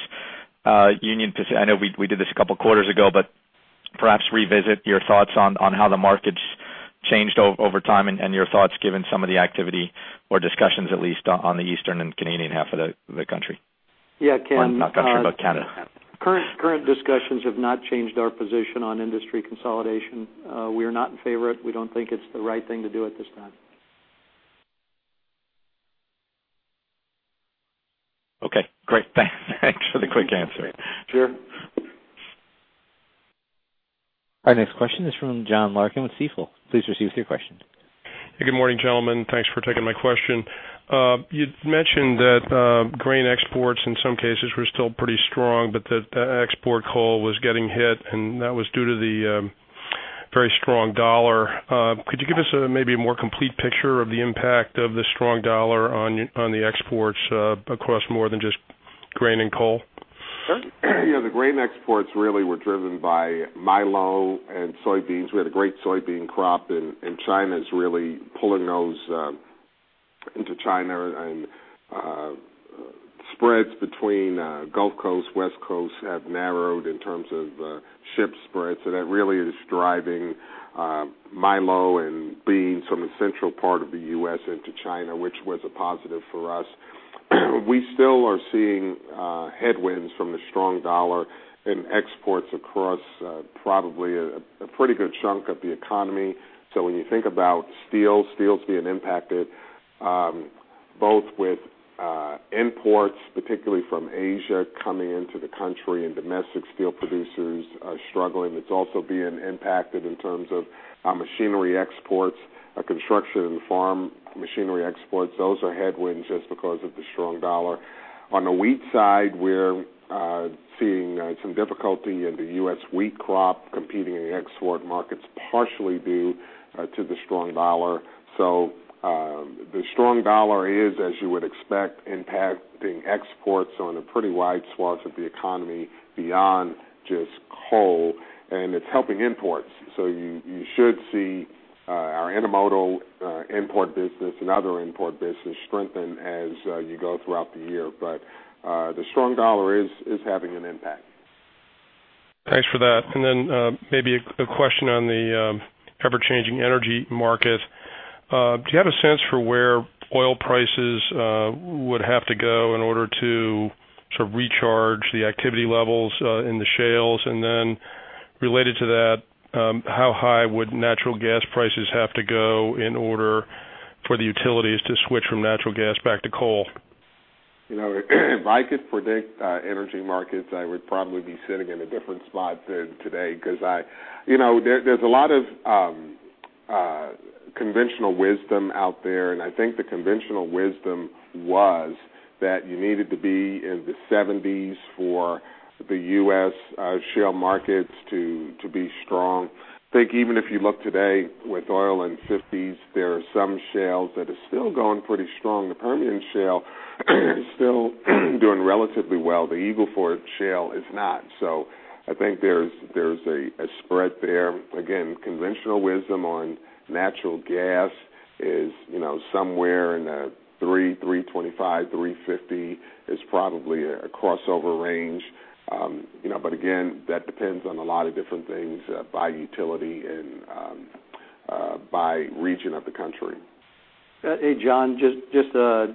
Union Pac-- I know we did this a couple of quarters ago, but perhaps revisit your thoughts on how the market's changed over time and your thoughts given some of the activity or discussions at least on the Eastern and Canadian half of the country? Yeah, Ken. I'm not sure about Canada. Current discussions have not changed our position on industry consolidation. We are not in favor it. We don't think it's the right thing to do at this time. Okay, great. Thanks for the quick answer. Sure. Our next question is from John Larkin with Stifel. Please receive your question. Good morning, gentlemen. Thanks for taking my question. You mentioned that grain exports in some cases were still pretty strong, but that export coal was getting hit. That was due to the very strong dollar. Could you give us maybe a more complete picture of the impact of the strong dollar on the exports across more than just grain and coal? Sure. The grain exports really were driven by milo and soybeans. We had a great soybean crop. China is really pulling those into China. Spreads between Gulf Coast, West Coast have narrowed in terms of ship spreads. That really is driving milo and beans from the central part of the U.S. into China, which was a positive for us. We still are seeing headwinds from the strong dollar and exports across probably a pretty good chunk of the economy. When you think about steel is being impacted. Both with imports, particularly from Asia coming into the country and domestic steel producers are struggling. It's also being impacted in terms of our machinery exports, our construction and farm machinery exports. Those are headwinds just because of the strong dollar. On the wheat side, we're seeing some difficulty in the U.S. wheat crop competing in export markets, partially due to the strong dollar. The strong dollar is, as you would expect, impacting exports on pretty wide swaths of the economy beyond just coal, and it's helping imports. You should see our intermodal import business and other import business strengthen as you go throughout the year. The strong dollar is having an impact. Thanks for that. Maybe a question on the ever-changing energy market. Do you have a sense for where oil prices would have to go in order to sort of recharge the activity levels in the shales? Related to that, how high would natural gas prices have to go in order for the utilities to switch from natural gas back to coal? If I could predict energy markets, I would probably be sitting in a different spot than today. There's a lot of conventional wisdom out there, and I think the conventional wisdom was that you needed to be in the $70s for the U.S. shale markets to be strong. I think even if you look today with oil in $50s, there are some shales that are still going pretty strong. The Permian Shale is still doing relatively well. The Eagle Ford Shale is not. I think there's a spread there. Again, conventional wisdom on natural gas is somewhere in the $300, $325, $350 is probably a crossover range. Again, that depends on a lot of different things by utility and by region of the country. Hey, John, just a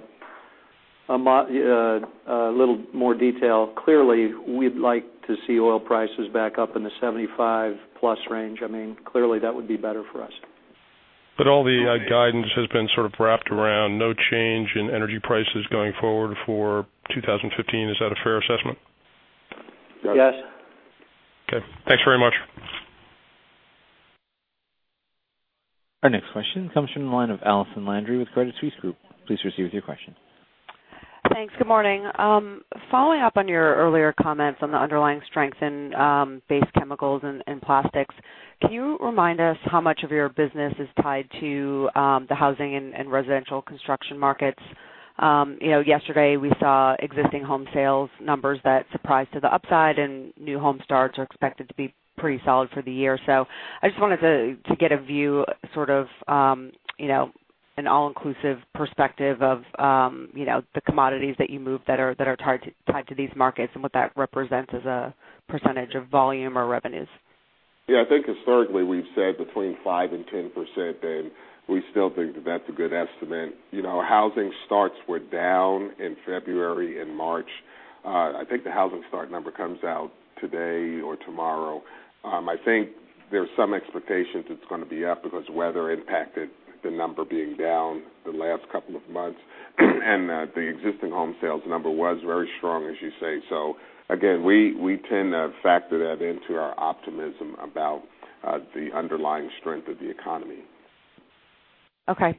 little more detail. Clearly, we'd like to see oil prices back up in the $75-plus range. Clearly, that would be better for us. All the guidance has been sort of wrapped around no change in energy prices going forward for 2015. Is that a fair assessment? Yes. Okay. Thanks very much. Our next question comes from the line of Allison Landry with Credit Suisse Group. Please proceed with your question. Thanks. Good morning. Following up on your earlier comments on the underlying strength in base chemicals and plastics, can you remind us how much of your business is tied to the housing and residential construction markets? Yesterday, we saw existing home sales numbers that surprised to the upside, and new home starts are expected to be pretty solid for the year. I just wanted to get a view, sort of an all-inclusive perspective of the commodities that you move that are tied to these markets and what that represents as a % of volume or revenues. Yeah, I think historically, we've said between 5% and 10%, we still think that that's a good estimate. Housing starts were down in February and March. I think the housing start number comes out today or tomorrow. I think there's some expectations it's going to be up because weather impacted the number being down the last couple of months, the existing home sales number was very strong, as you say. Again, we tend to factor that into our optimism about the underlying strength of the economy. Okay.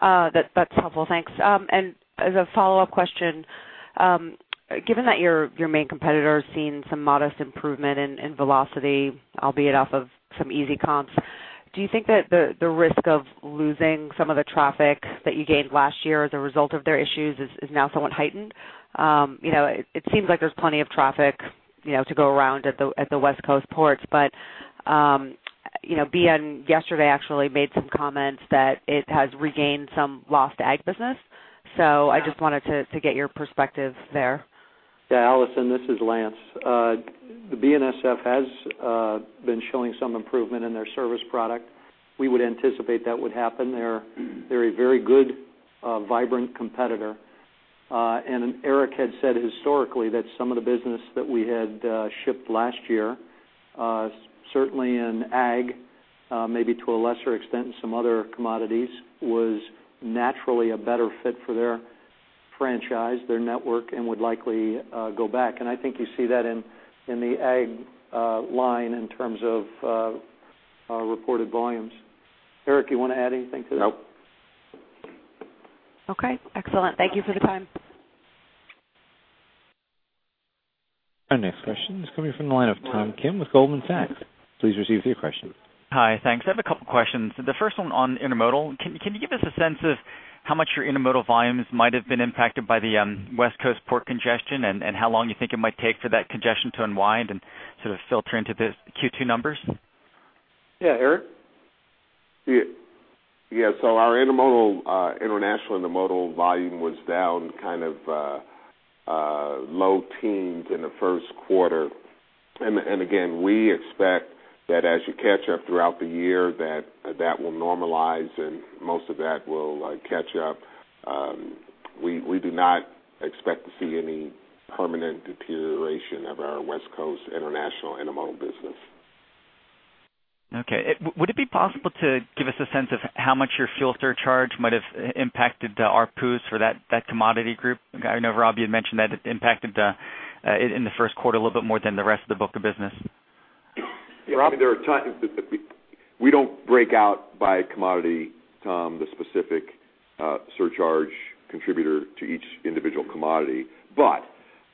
That's helpful. Thanks. As a follow-up question, given that your main competitor has seen some modest improvement in velocity, albeit off of some easy comps, do you think that the risk of losing some of the traffic that you gained last year as a result of their issues is now somewhat heightened? It seems like there's plenty of traffic to go around at the West Coast ports, BNSF yesterday actually made some comments that it has regained some lost ag business. I just wanted to get your perspective there. Yeah, Allison, this is Lance. The BNSF has been showing some improvement in their service product. We would anticipate that would happen. They're a very good, vibrant competitor. Eric had said historically that some of the business that we had shipped last year, certainly in ag, maybe to a lesser extent in some other commodities, was naturally a better fit for their franchise, their network, would likely go back. I think you see that in the ag line in terms of our reported volumes. Eric, you want to add anything to that? Nope. Okay, excellent. Thank you for the time. Our next question is coming from the line of Tom Kim with Goldman Sachs. Please proceed with your question. Hi, thanks. I have a couple questions. The first one on intermodal. Can you give us a sense of how much your intermodal volumes might have been impacted by the West Coast port congestion, and how long you think it might take for that congestion to unwind and sort of filter into the Q2 numbers? Yeah. Eric? Yeah, our international intermodal volume was down kind of low teens in the first quarter. Again, we expect that as you catch up throughout the year, that will normalize, and most of that will catch up. We do not expect to see any permanent deterioration of our West Coast international intermodal business. Okay. Would it be possible to give us a sense of how much your fuel surcharge might have impacted the ARPUs for that commodity group? I know, Rob, you had mentioned that it impacted in the first quarter a little bit more than the rest of the book of business. Yeah, Tom, we don't break out by commodity, Tom, the specific surcharge contributor to each individual commodity.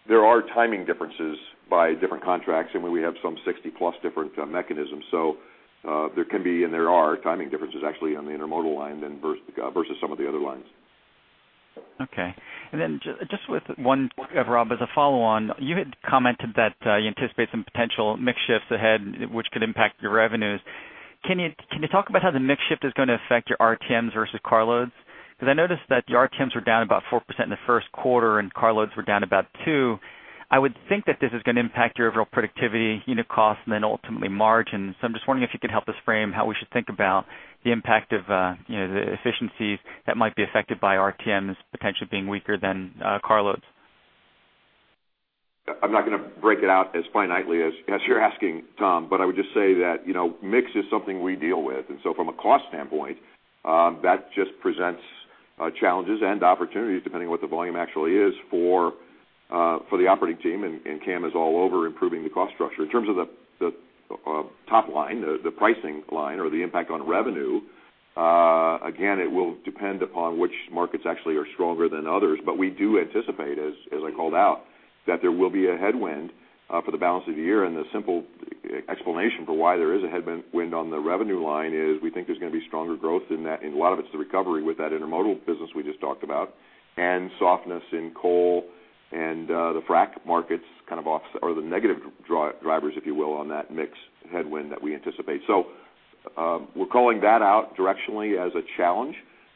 There are timing differences by different contracts, and we have some 60 plus different mechanisms. There can be, and there are timing differences actually on the intermodal line than versus some of the other lines. Okay. Just with one, Rob, as a follow-on, you had commented that you anticipate some potential mix shifts ahead, which could impact your revenues. Can you talk about how the mix shift is going to affect your RTMs versus carloads? Because I noticed that your RTMs were down about 4% in the first quarter, and carloads were down about 2%. I would think that this is going to impact your overall productivity, unit cost, and ultimately margin. I'm just wondering if you could help us frame how we should think about the impact of the efficiencies that might be affected by RTMs potentially being weaker than carloads. I'm not going to break it out as finitely as you're asking, Tom, I would just say that mix is something we deal with. From a cost standpoint, that just presents challenges and opportunities depending on what the volume actually is for the operating team, Cam is all over improving the cost structure. In terms of the top line, the pricing line, or the impact on revenue, again, it will depend upon which markets actually are stronger than others. We do anticipate, as I called out, that there will be a headwind for the balance of the year. The simple explanation for why there is a headwind on the revenue line is we think there's going to be stronger growth in that. A lot of it's the recovery with that intermodal business we just talked about, and softness in coal and the frac markets or the negative drivers, if you will, on that mix headwind that we anticipate. We're calling that out directionally as a challenge,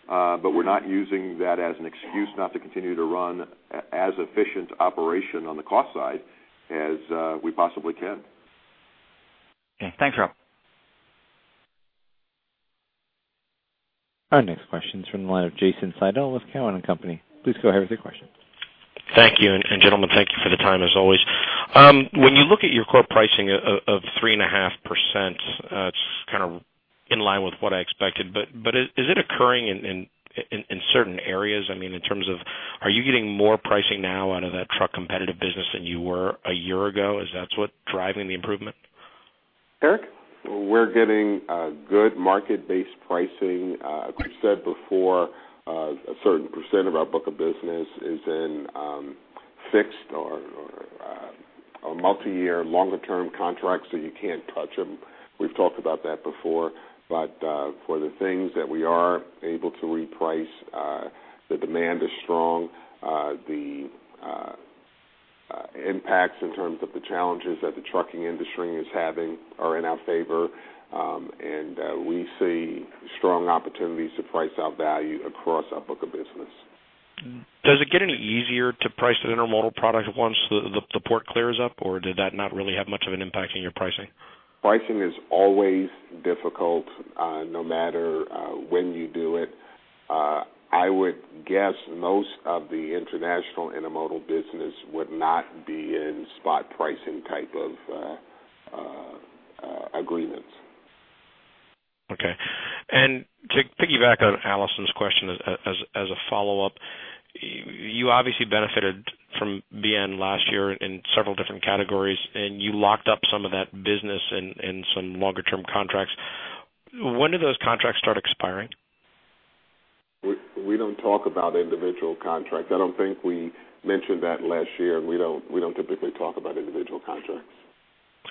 but we're not using that as an excuse not to continue to run as efficient operation on the cost side as we possibly can. Okay. Thanks, Rob. Our next question is from the line of Jason Seidl with Cowen and Company. Please go ahead with your question. Thank you. Gentlemen, thank you for the time as always. When you look at your core pricing of 3.5%, it's kind of in line with what I expected. Is it occurring in certain areas? I mean, in terms of are you getting more pricing now out of that truck competitive business than you were a year ago? Is that what's driving the improvement? Eric? We're getting good market-based pricing. As we've said before, a certain % of our book of business is in fixed or multi-year longer term contracts, so you can't touch them. We've talked about that before. For the things that we are able to reprice, the demand is strong. The impacts in terms of the challenges that the trucking industry is having are in our favor. We see strong opportunities to price our value across our book of business. Does it get any easier to price an intermodal product once the port clears up, or did that not really have much of an impact on your pricing? Pricing is always difficult, no matter when you do it. I would guess most of the international intermodal business would not be in spot pricing type of agreements. Okay. To piggyback on Allison's question as a follow-up, you obviously benefited from BNSF last year in several different categories, and you locked up some of that business in some longer term contracts. When do those contracts start expiring? We don't talk about individual contracts. I don't think we mentioned that last year. We don't typically talk about individual contracts.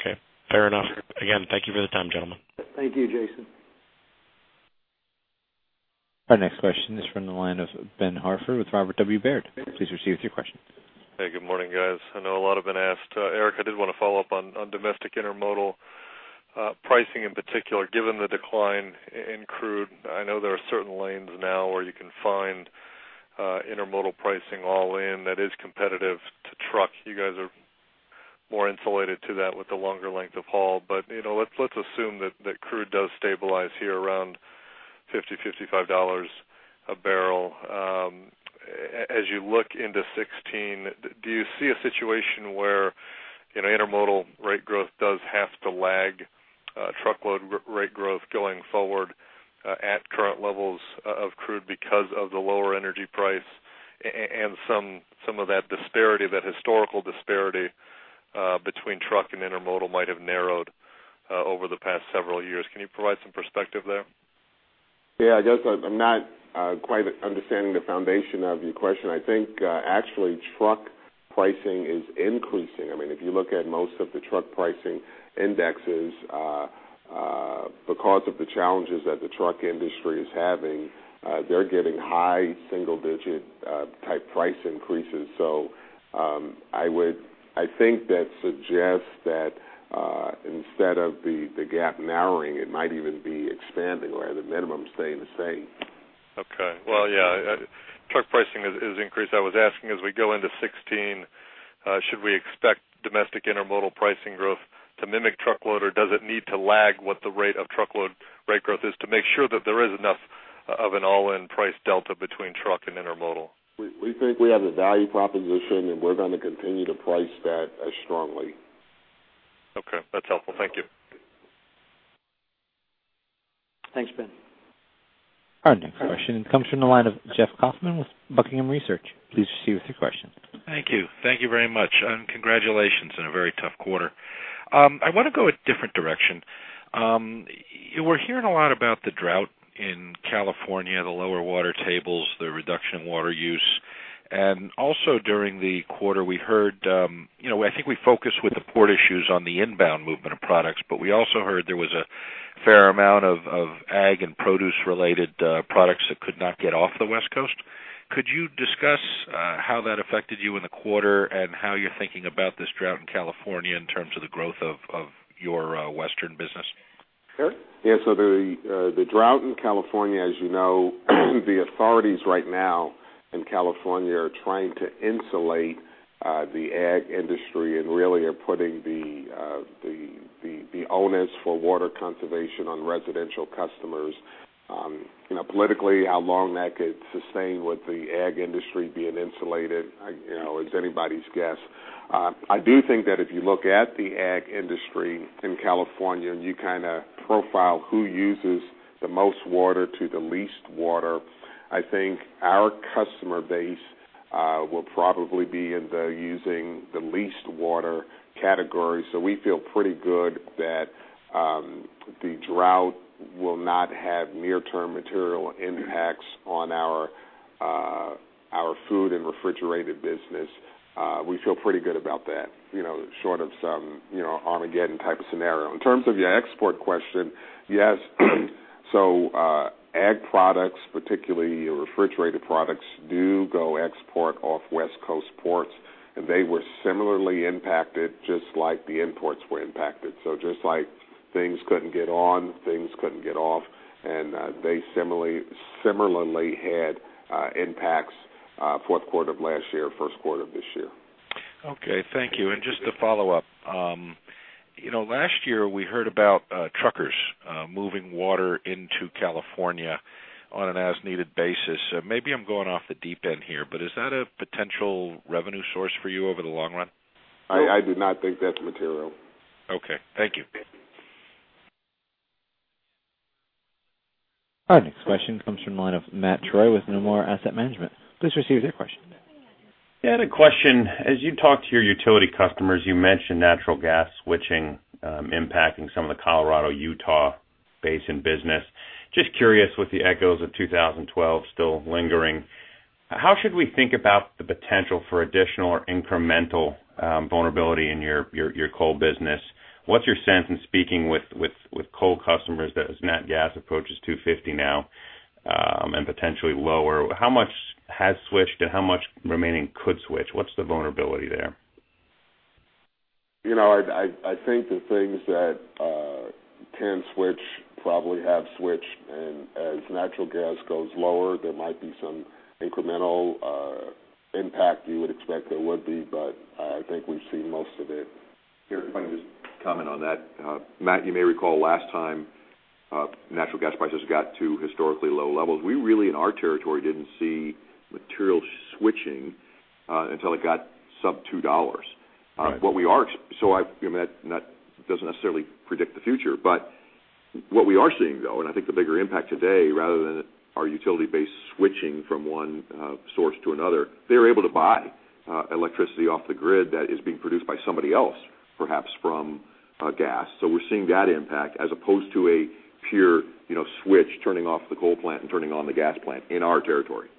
Okay. Fair enough. Again, thank you for the time, gentlemen. Thank you, Jason. Our next question is from the line of Ben Hartford with Robert W. Baird. Please proceed with your question. Hey, good morning, guys. I know a lot have been asked. Eric, I did want to follow up on domestic intermodal pricing in particular, given the decline in crude. I know there are certain lanes now where you can find intermodal pricing all in that is competitive to truck. You guys are more insulated to that with the longer length of haul. Let's assume that the crude does stabilize here around $50-$55 a barrel. As you look into 2016, do you see a situation where intermodal rate growth does have to lag truckload rate growth going forward at current levels of crude because of the lower energy price and some of that disparity, that historical disparity between truck and intermodal might have narrowed over the past several years? Can you provide some perspective there? Yeah, I guess I'm not quite understanding the foundation of your question. I think actually truck pricing is increasing. If you look at most of the truck pricing indexes, because of the challenges that the truck industry is having, they're getting high single-digit type price increases. I think that suggests that instead of the gap narrowing, it might even be expanding or the minimum staying the same. Okay. Well, yeah, truck pricing has increased. I was asking as we go into 2016, should we expect domestic intermodal pricing growth to mimic truckload, or does it need to lag what the rate of truckload rate growth is to make sure that there is enough Of an all-in price delta between truck and intermodal. We think we have a value proposition, and we're going to continue to price that as strongly. Okay. That's helpful. Thank you. Thanks, Ben. Our next question comes from the line of Jeff Kauffman with Buckingham Research. Please proceed with your question. Thank you. Thank you very much, and congratulations in a very tough quarter. I want to go a different direction. We're hearing a lot about the drought in California, the lower water tables, the reduction in water use, and also during the quarter, I think we focused with the port issues on the inbound movement of products, but we also heard there was a fair amount of ag and produce related products that could not get off the West Coast. Could you discuss how that affected you in the quarter, and how you're thinking about this drought in California in terms of the growth of your western business? Gary? The drought in California, as you know, the authorities right now in California are trying to insulate the ag industry and really are putting the onus for water conservation on residential customers. Politically, how long that could sustain with the ag industry being insulated, is anybody's guess. I do think that if you look at the ag industry in California, and you kind of profile who uses the most water to the least water, I think our customer base will probably be in the using the least water category. We feel pretty good that the drought will not have near-term material impacts on our food and refrigerated business. We feel pretty good about that, short of some Armageddon type of scenario. In terms of your export question, yes. Ag products, particularly refrigerated products, do go export off West Coast ports, and they were similarly impacted just like the imports were impacted. Just like things couldn't get on, things couldn't get off, and they similarly had impacts fourth quarter of last year, first quarter of this year. Okay. Thank you, and just to follow up. Last year, we heard about truckers moving water into California on an as-needed basis. Maybe I'm going off the deep end here, but is that a potential revenue source for you over the long run? I do not think that's material. Okay. Thank you. Our next question comes from the line of Matt Troy with Nomura Asset Management. Please proceed with your question. Yeah, I had a question. As you talk to your utility customers, you mentioned natural gas switching impacting some of the Colorado-Utah basin business. Just curious with the echoes of 2012 still lingering, how should we think about the potential for additional or incremental vulnerability in your coal business? What's your sense in speaking with coal customers that as nat gas approaches $2.50 now and potentially lower, how much has switched, and how much remaining could switch? What's the vulnerability there? I think the things that can switch probably have switched. As natural gas goes lower, there might be some incremental impact you would expect there would be, but I think we've seen most of it. Gary, if I can just comment on that. Matt, you may recall last time natural gas prices got to historically low levels. We really, in our territory, didn't see material switching until it got sub-$2. Right. That doesn't necessarily predict the future. What we are seeing, though, and I think the bigger impact today, rather than our utility base switching from one source to another, they're able to buy electricity off the grid that is being produced by somebody else, perhaps from gas. We're seeing that impact as opposed to a pure switch, turning off the coal plant and turning on the gas plant in our territory.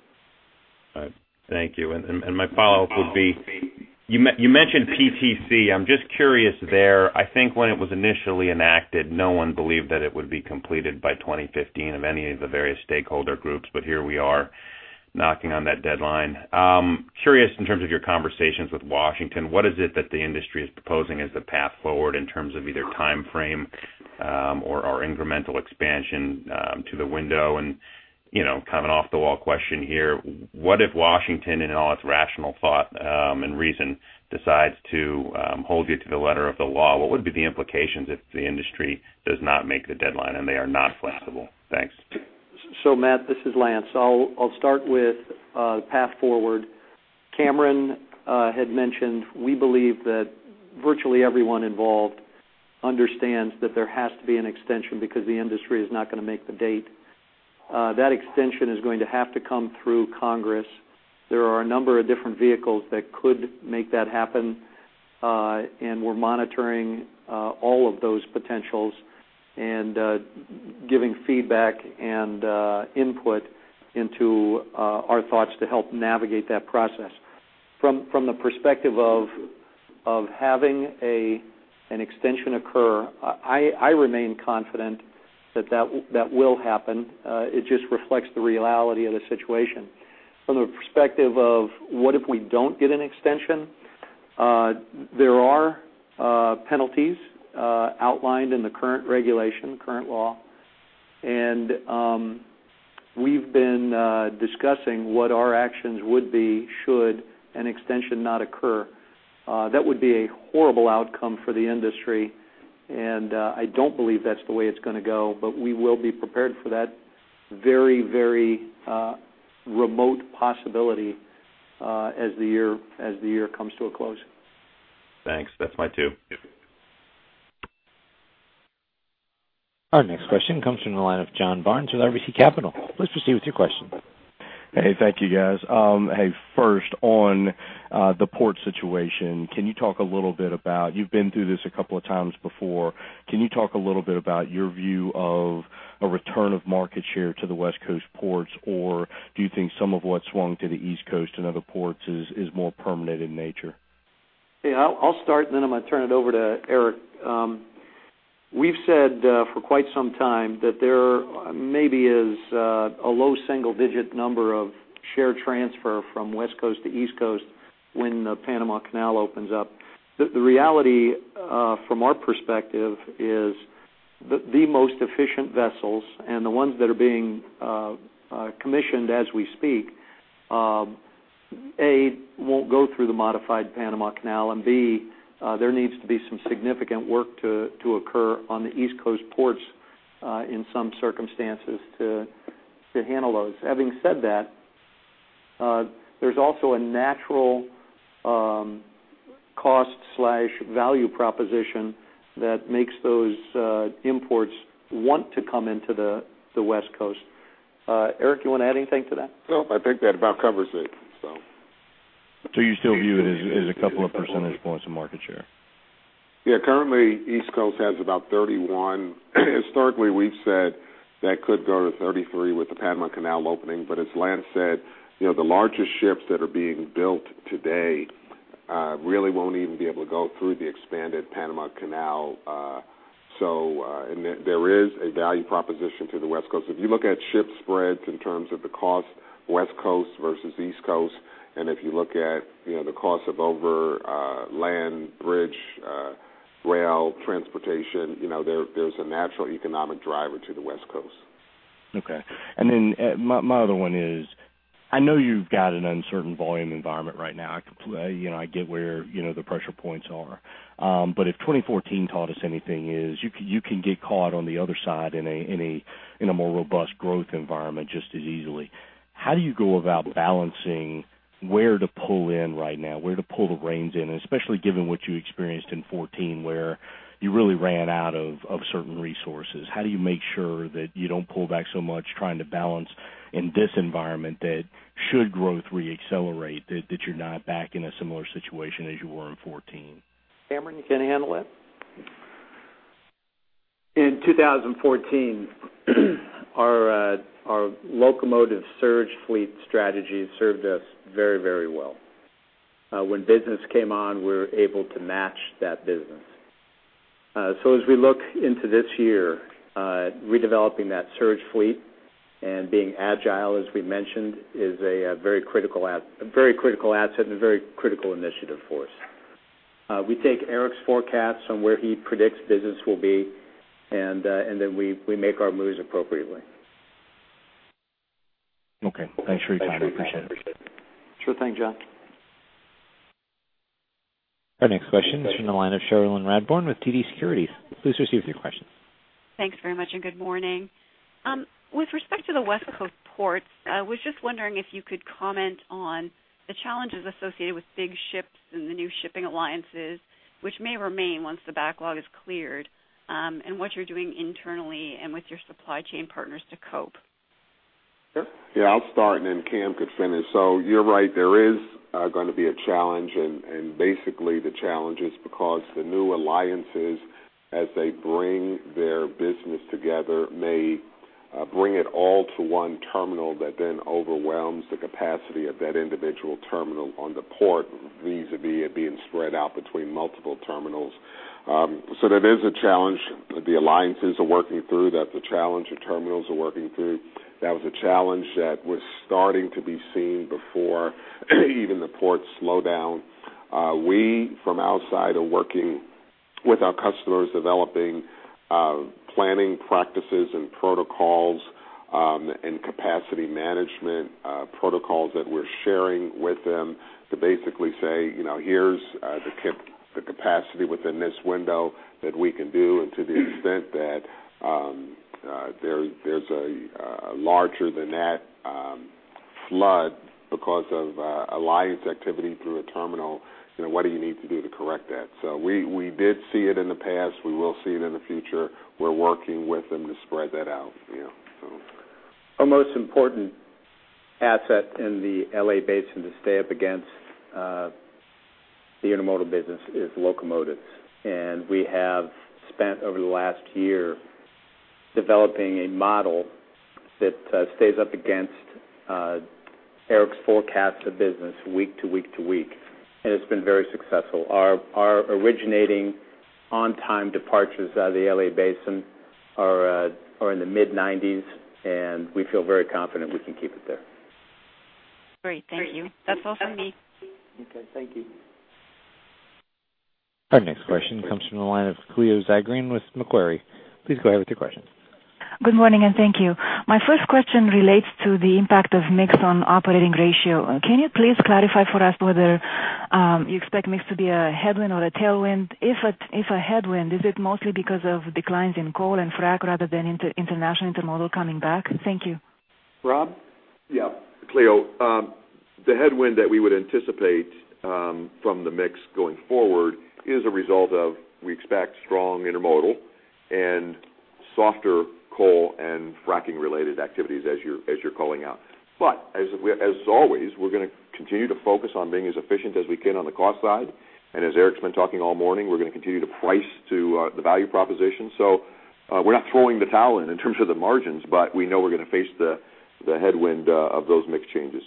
All right. Thank you. My follow-up would be, you mentioned PTC. I'm just curious there. I think when it was initially enacted, no one believed that it would be completed by 2015 of any of the various stakeholder groups. Here we are, knocking on that deadline. Curious in terms of your conversations with Washington, what is it that the industry is proposing as the path forward in terms of either timeframe or incremental expansion to the window? Kind of an off-the-wall question here. What if Washington, in all its rational thought and reason, decides to hold you to the letter of the law? What would be the implications if the industry does not make the deadline, and they are not flexible? Thanks. Matt, this is Lance. I'll start with path forward. Cameron had mentioned, we believe that virtually everyone involved understands that there has to be an extension because the industry is not going to make the date. That extension is going to have to come through Congress. There are a number of different vehicles that could make that happen. We're monitoring all of those potentials and giving feedback and input into our thoughts to help navigate that process. From the perspective of having an extension occur, I remain confident that that will happen. It just reflects the reality of the situation. From the perspective of what if we don't get an extension, there are penalties outlined in the current regulation, the current law, and we've been discussing what our actions would be should an extension not occur. That would be a horrible outcome for the industry. I don't believe that's the way it's going to go, but we will be prepared for that very remote possibility as the year comes to a close. Thanks. That's my two. Our next question comes from the line of John Barnes with RBC Capital. Please proceed with your question. Thank you, guys. First, on the port situation, you've been through this a couple of times before. Can you talk a little bit about your view of a return of market share to the West Coast ports, or do you think some of what swung to the East Coast and other ports is more permanent in nature? I'll start, and then I'm going to turn it over to Eric. We've said for quite some time that there maybe is a low single-digit number of share transfer from West Coast to East Coast when the Panama Canal opens up. The reality, from our perspective, is the most efficient vessels, and the ones that are being commissioned as we speak, A, won't go through the modified Panama Canal, and B, there needs to be some significant work to occur on the East Coast ports, in some circumstances, to handle those. Having said that, there's also a natural cost/value proposition that makes those imports want to come into the West Coast. Eric, you want to add anything to that? I think that about covers it. You still view it as a couple of percentage points of market share? Yeah. Currently, East Coast has about 31. Historically, we've said that could go to 33 with the Panama Canal opening. As Lance said, the largest ships that are being built today really won't even be able to go through the expanded Panama Canal. There is a value proposition to the West Coast. If you look at ship spreads in terms of the cost, West Coast versus East Coast, and if you look at the cost of over-land bridge, rail, transportation, there's a natural economic driver to the West Coast. Okay. My other one is, I know you've got an uncertain volume environment right now. I get where the pressure points are. If 2014 taught us anything, is you can get caught on the other side in a more robust growth environment just as easily. How do you go about balancing where to pull in right now, where to pull the reins in? Especially given what you experienced in 2014, where you really ran out of certain resources. How do you make sure that you don't pull back so much trying to balance in this environment that should growth re-accelerate, that you're not back in a similar situation as you were in 2014? Cameron, you going to handle it? In 2014, our locomotive surge fleet strategy served us very well. When business came on, we were able to match that business. As we look into this year, redeveloping that surge fleet and being agile, as we mentioned, is a very critical asset and a very critical initiative for us. We take Eric's forecast on where he predicts business will be, we make our moves appropriately. Okay. Thanks for your time. I appreciate it. Sure thing, John. Our next question is from the line of Cherilyn Radbourne with TD Securities. Please proceed with your question. Thanks very much, and good morning. With respect to the West Coast ports, I was just wondering if you could comment on the challenges associated with big ships and the new shipping alliances, which may remain once the backlog is cleared, and what you're doing internally and with your supply chain partners to cope. Sure. Yeah, I'll start and then Cam could finish. You're right, there is going to be a challenge. Basically the challenge is because the new alliances, as they bring their business together, may bring it all to one terminal that then overwhelms the capacity of that individual terminal on the port, vis-a-vis it being spread out between multiple terminals. That is a challenge that the alliances are working through, that the challenge of terminals are working through. That was a challenge that was starting to be seen before even the port slowdown. We, from our side, are working with our customers, developing planning practices and protocols, capacity management protocols that we're sharing with them to basically say, "Here's the capacity within this window that we can do," and to the extent that there's a larger than that flood because of alliance activity through a terminal, what do you need to do to correct that? We did see it in the past. We will see it in the future. We're working with them to spread that out. Our most important asset in the L.A. Basin to stay up against the intermodal business is locomotives. We have spent over the last year developing a model that stays up against Eric's forecast of business week to week to week, and it's been very successful. Our originating on-time departures out of the L.A. Basin are in the mid-90s, and we feel very confident we can keep it there. Great. Thank you. That's all for me. Okay, thank you. Our next question comes from the line of Cleo Zagrean with Macquarie. Please go ahead with your question. Good morning, and thank you. My first question relates to the impact of mix on operating ratio. Can you please clarify for us whether you expect mix to be a headwind or a tailwind? If a headwind, is it mostly because of declines in coal and frack rather than international intermodal coming back? Thank you. Rob? Yeah. Cleo, the headwind that we would anticipate from the mix going forward is a result of, we expect strong intermodal and softer coal and fracking related activities as you're calling out. As always, we're going to continue to focus on being as efficient as we can on the cost side. As Eric's been talking all morning, we're going to continue to price to the value proposition. We're not throwing the towel in terms of the margins, we know we're going to face the headwind of those mix changes.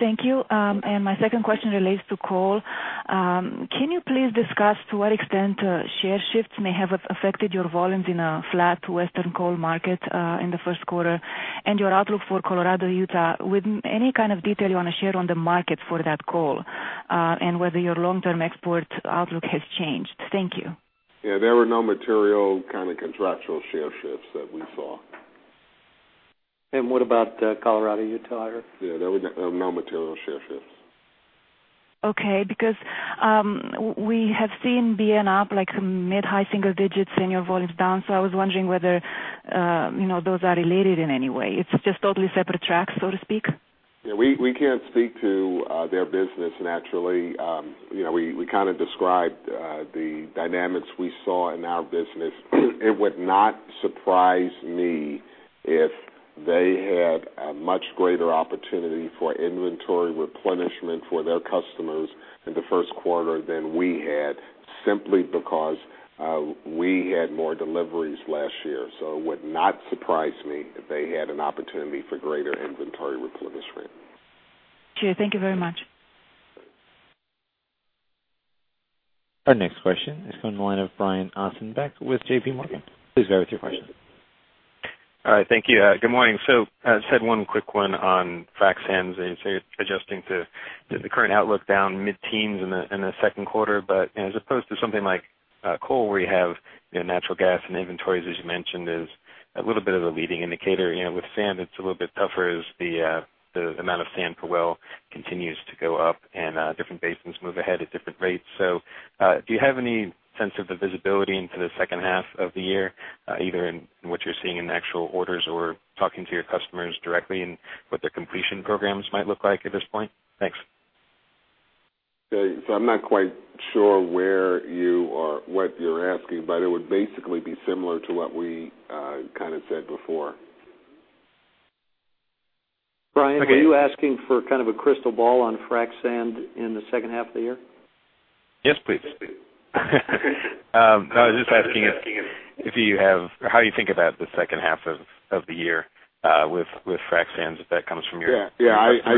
Thank you. My second question relates to coal. Can you please discuss to what extent share shifts may have affected your volumes in a flat Western coal market in the first quarter and your outlook for Colorado, Utah, with any kind of detail you want to share on the market for that coal, and whether your long-term export outlook has changed? Thank you. Yeah, there were no material kind of contractual share shifts that we saw. What about Colorado, Utah, Eric? Yeah, there were no material share shifts. Okay. We have seen BNSF up like mid-high single digits and your volumes down. I was wondering whether those are related in any way. It's just totally separate tracks, to speak? We can't speak to their business naturally. We kind of described the dynamics we saw in our business. It would not surprise me if they had a much greater opportunity for inventory replenishment for their customers in the first quarter than we had, simply we had more deliveries last year. It would not surprise me if they had an opportunity for greater inventory replenishment. Sure. Thank you very much. Our next question is from the line of Brian Ossenbeck with JPMorgan. Please go ahead with your question. All right, thank you. Good morning. I just had one quick one on frac sand as you're adjusting to the current outlook down mid-teens in the second quarter. As opposed to something like coal where you have natural gas and inventories, as you mentioned, is a little bit of a leading indicator. With sand, it's a little bit tougher as the amount of sand per well continues to go up and different basins move ahead at different rates. Do you have any sense of the visibility into the second half of the year, either in what you're seeing in actual orders or talking to your customers directly and what their completion programs might look like at this point? Thanks. I'm not quite sure what you're asking, but it would basically be similar to what we kind of said before. Brian, are you asking for kind of a crystal ball on frac sand in the second half of the year? Yes, please. I was just asking how you think about the second half of the year with frac sand, if that comes from your- I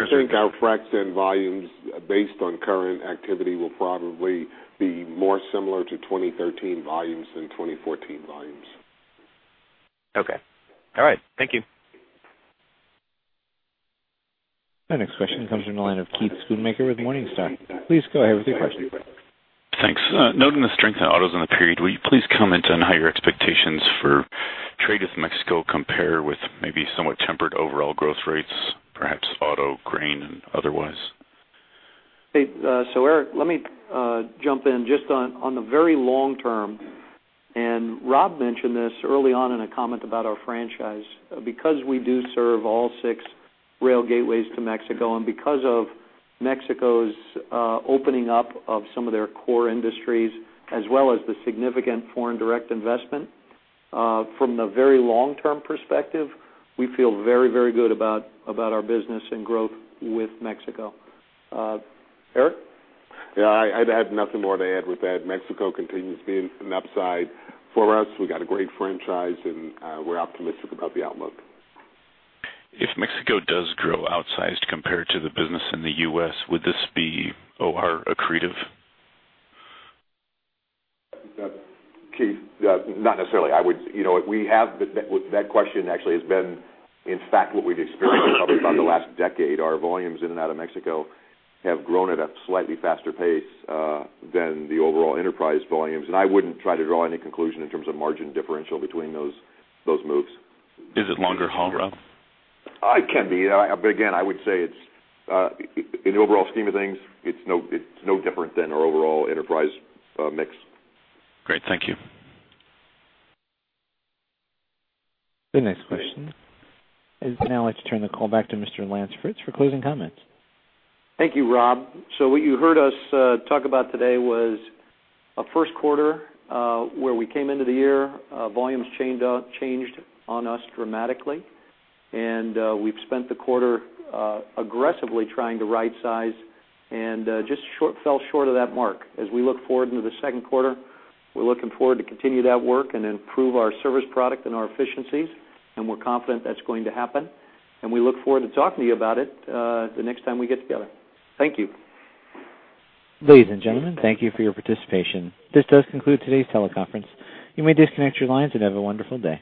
think our frac sand volumes, based on current activity, will probably be more similar to 2013 volumes than 2014 volumes. Okay. All right. Thank you. Our next question comes from the line of Keith Schoonmaker with Morningstar. Please go ahead with your question. Thanks. Noting the strength in autos in the period, will you please comment on how your expectations for trade with Mexico compare with maybe somewhat tempered overall growth rates, perhaps auto, grain, and otherwise? Eric, let me jump in just on the very long term, and Rob mentioned this early on in a comment about our franchise. Because we do serve all six rail gateways to Mexico and because of Mexico's opening up of some of their core industries, as well as the significant foreign direct investment, from the very long-term perspective, we feel very, very good about our business and growth with Mexico. Eric? Yeah, I'd had nothing more to add with that. Mexico continues to be an upside for us. We got a great franchise, and we're optimistic about the outlook. If Mexico does grow outsized compared to the business in the U.S., would this be, OR accretive? Keith, not necessarily. That question actually has been, in fact, what we've experienced probably for the last decade. Our volumes in and out of Mexico have grown at a slightly faster pace than the overall enterprise volumes, and I wouldn't try to draw any conclusion in terms of margin differential between those moves. Is it longer haul, Rob? It can be. Again, I would say in the overall scheme of things, it's no different than our overall enterprise mix. Great. Thank you. The next question. I'd now like to turn the call back to Mr. Lance Fritz for closing comments. Thank you, Rob. What you heard us talk about today was a first quarter, where we came into the year, volumes changed on us dramatically, and we've spent the quarter aggressively trying to right size and just fell short of that mark. As we look forward into the second quarter, we're looking forward to continue that work and improve our service product and our efficiencies, and we're confident that's going to happen, and we look forward to talking to you about it the next time we get together. Thank you. Ladies and gentlemen, thank you for your participation. This does conclude today's teleconference. You may disconnect your lines and have a wonderful day.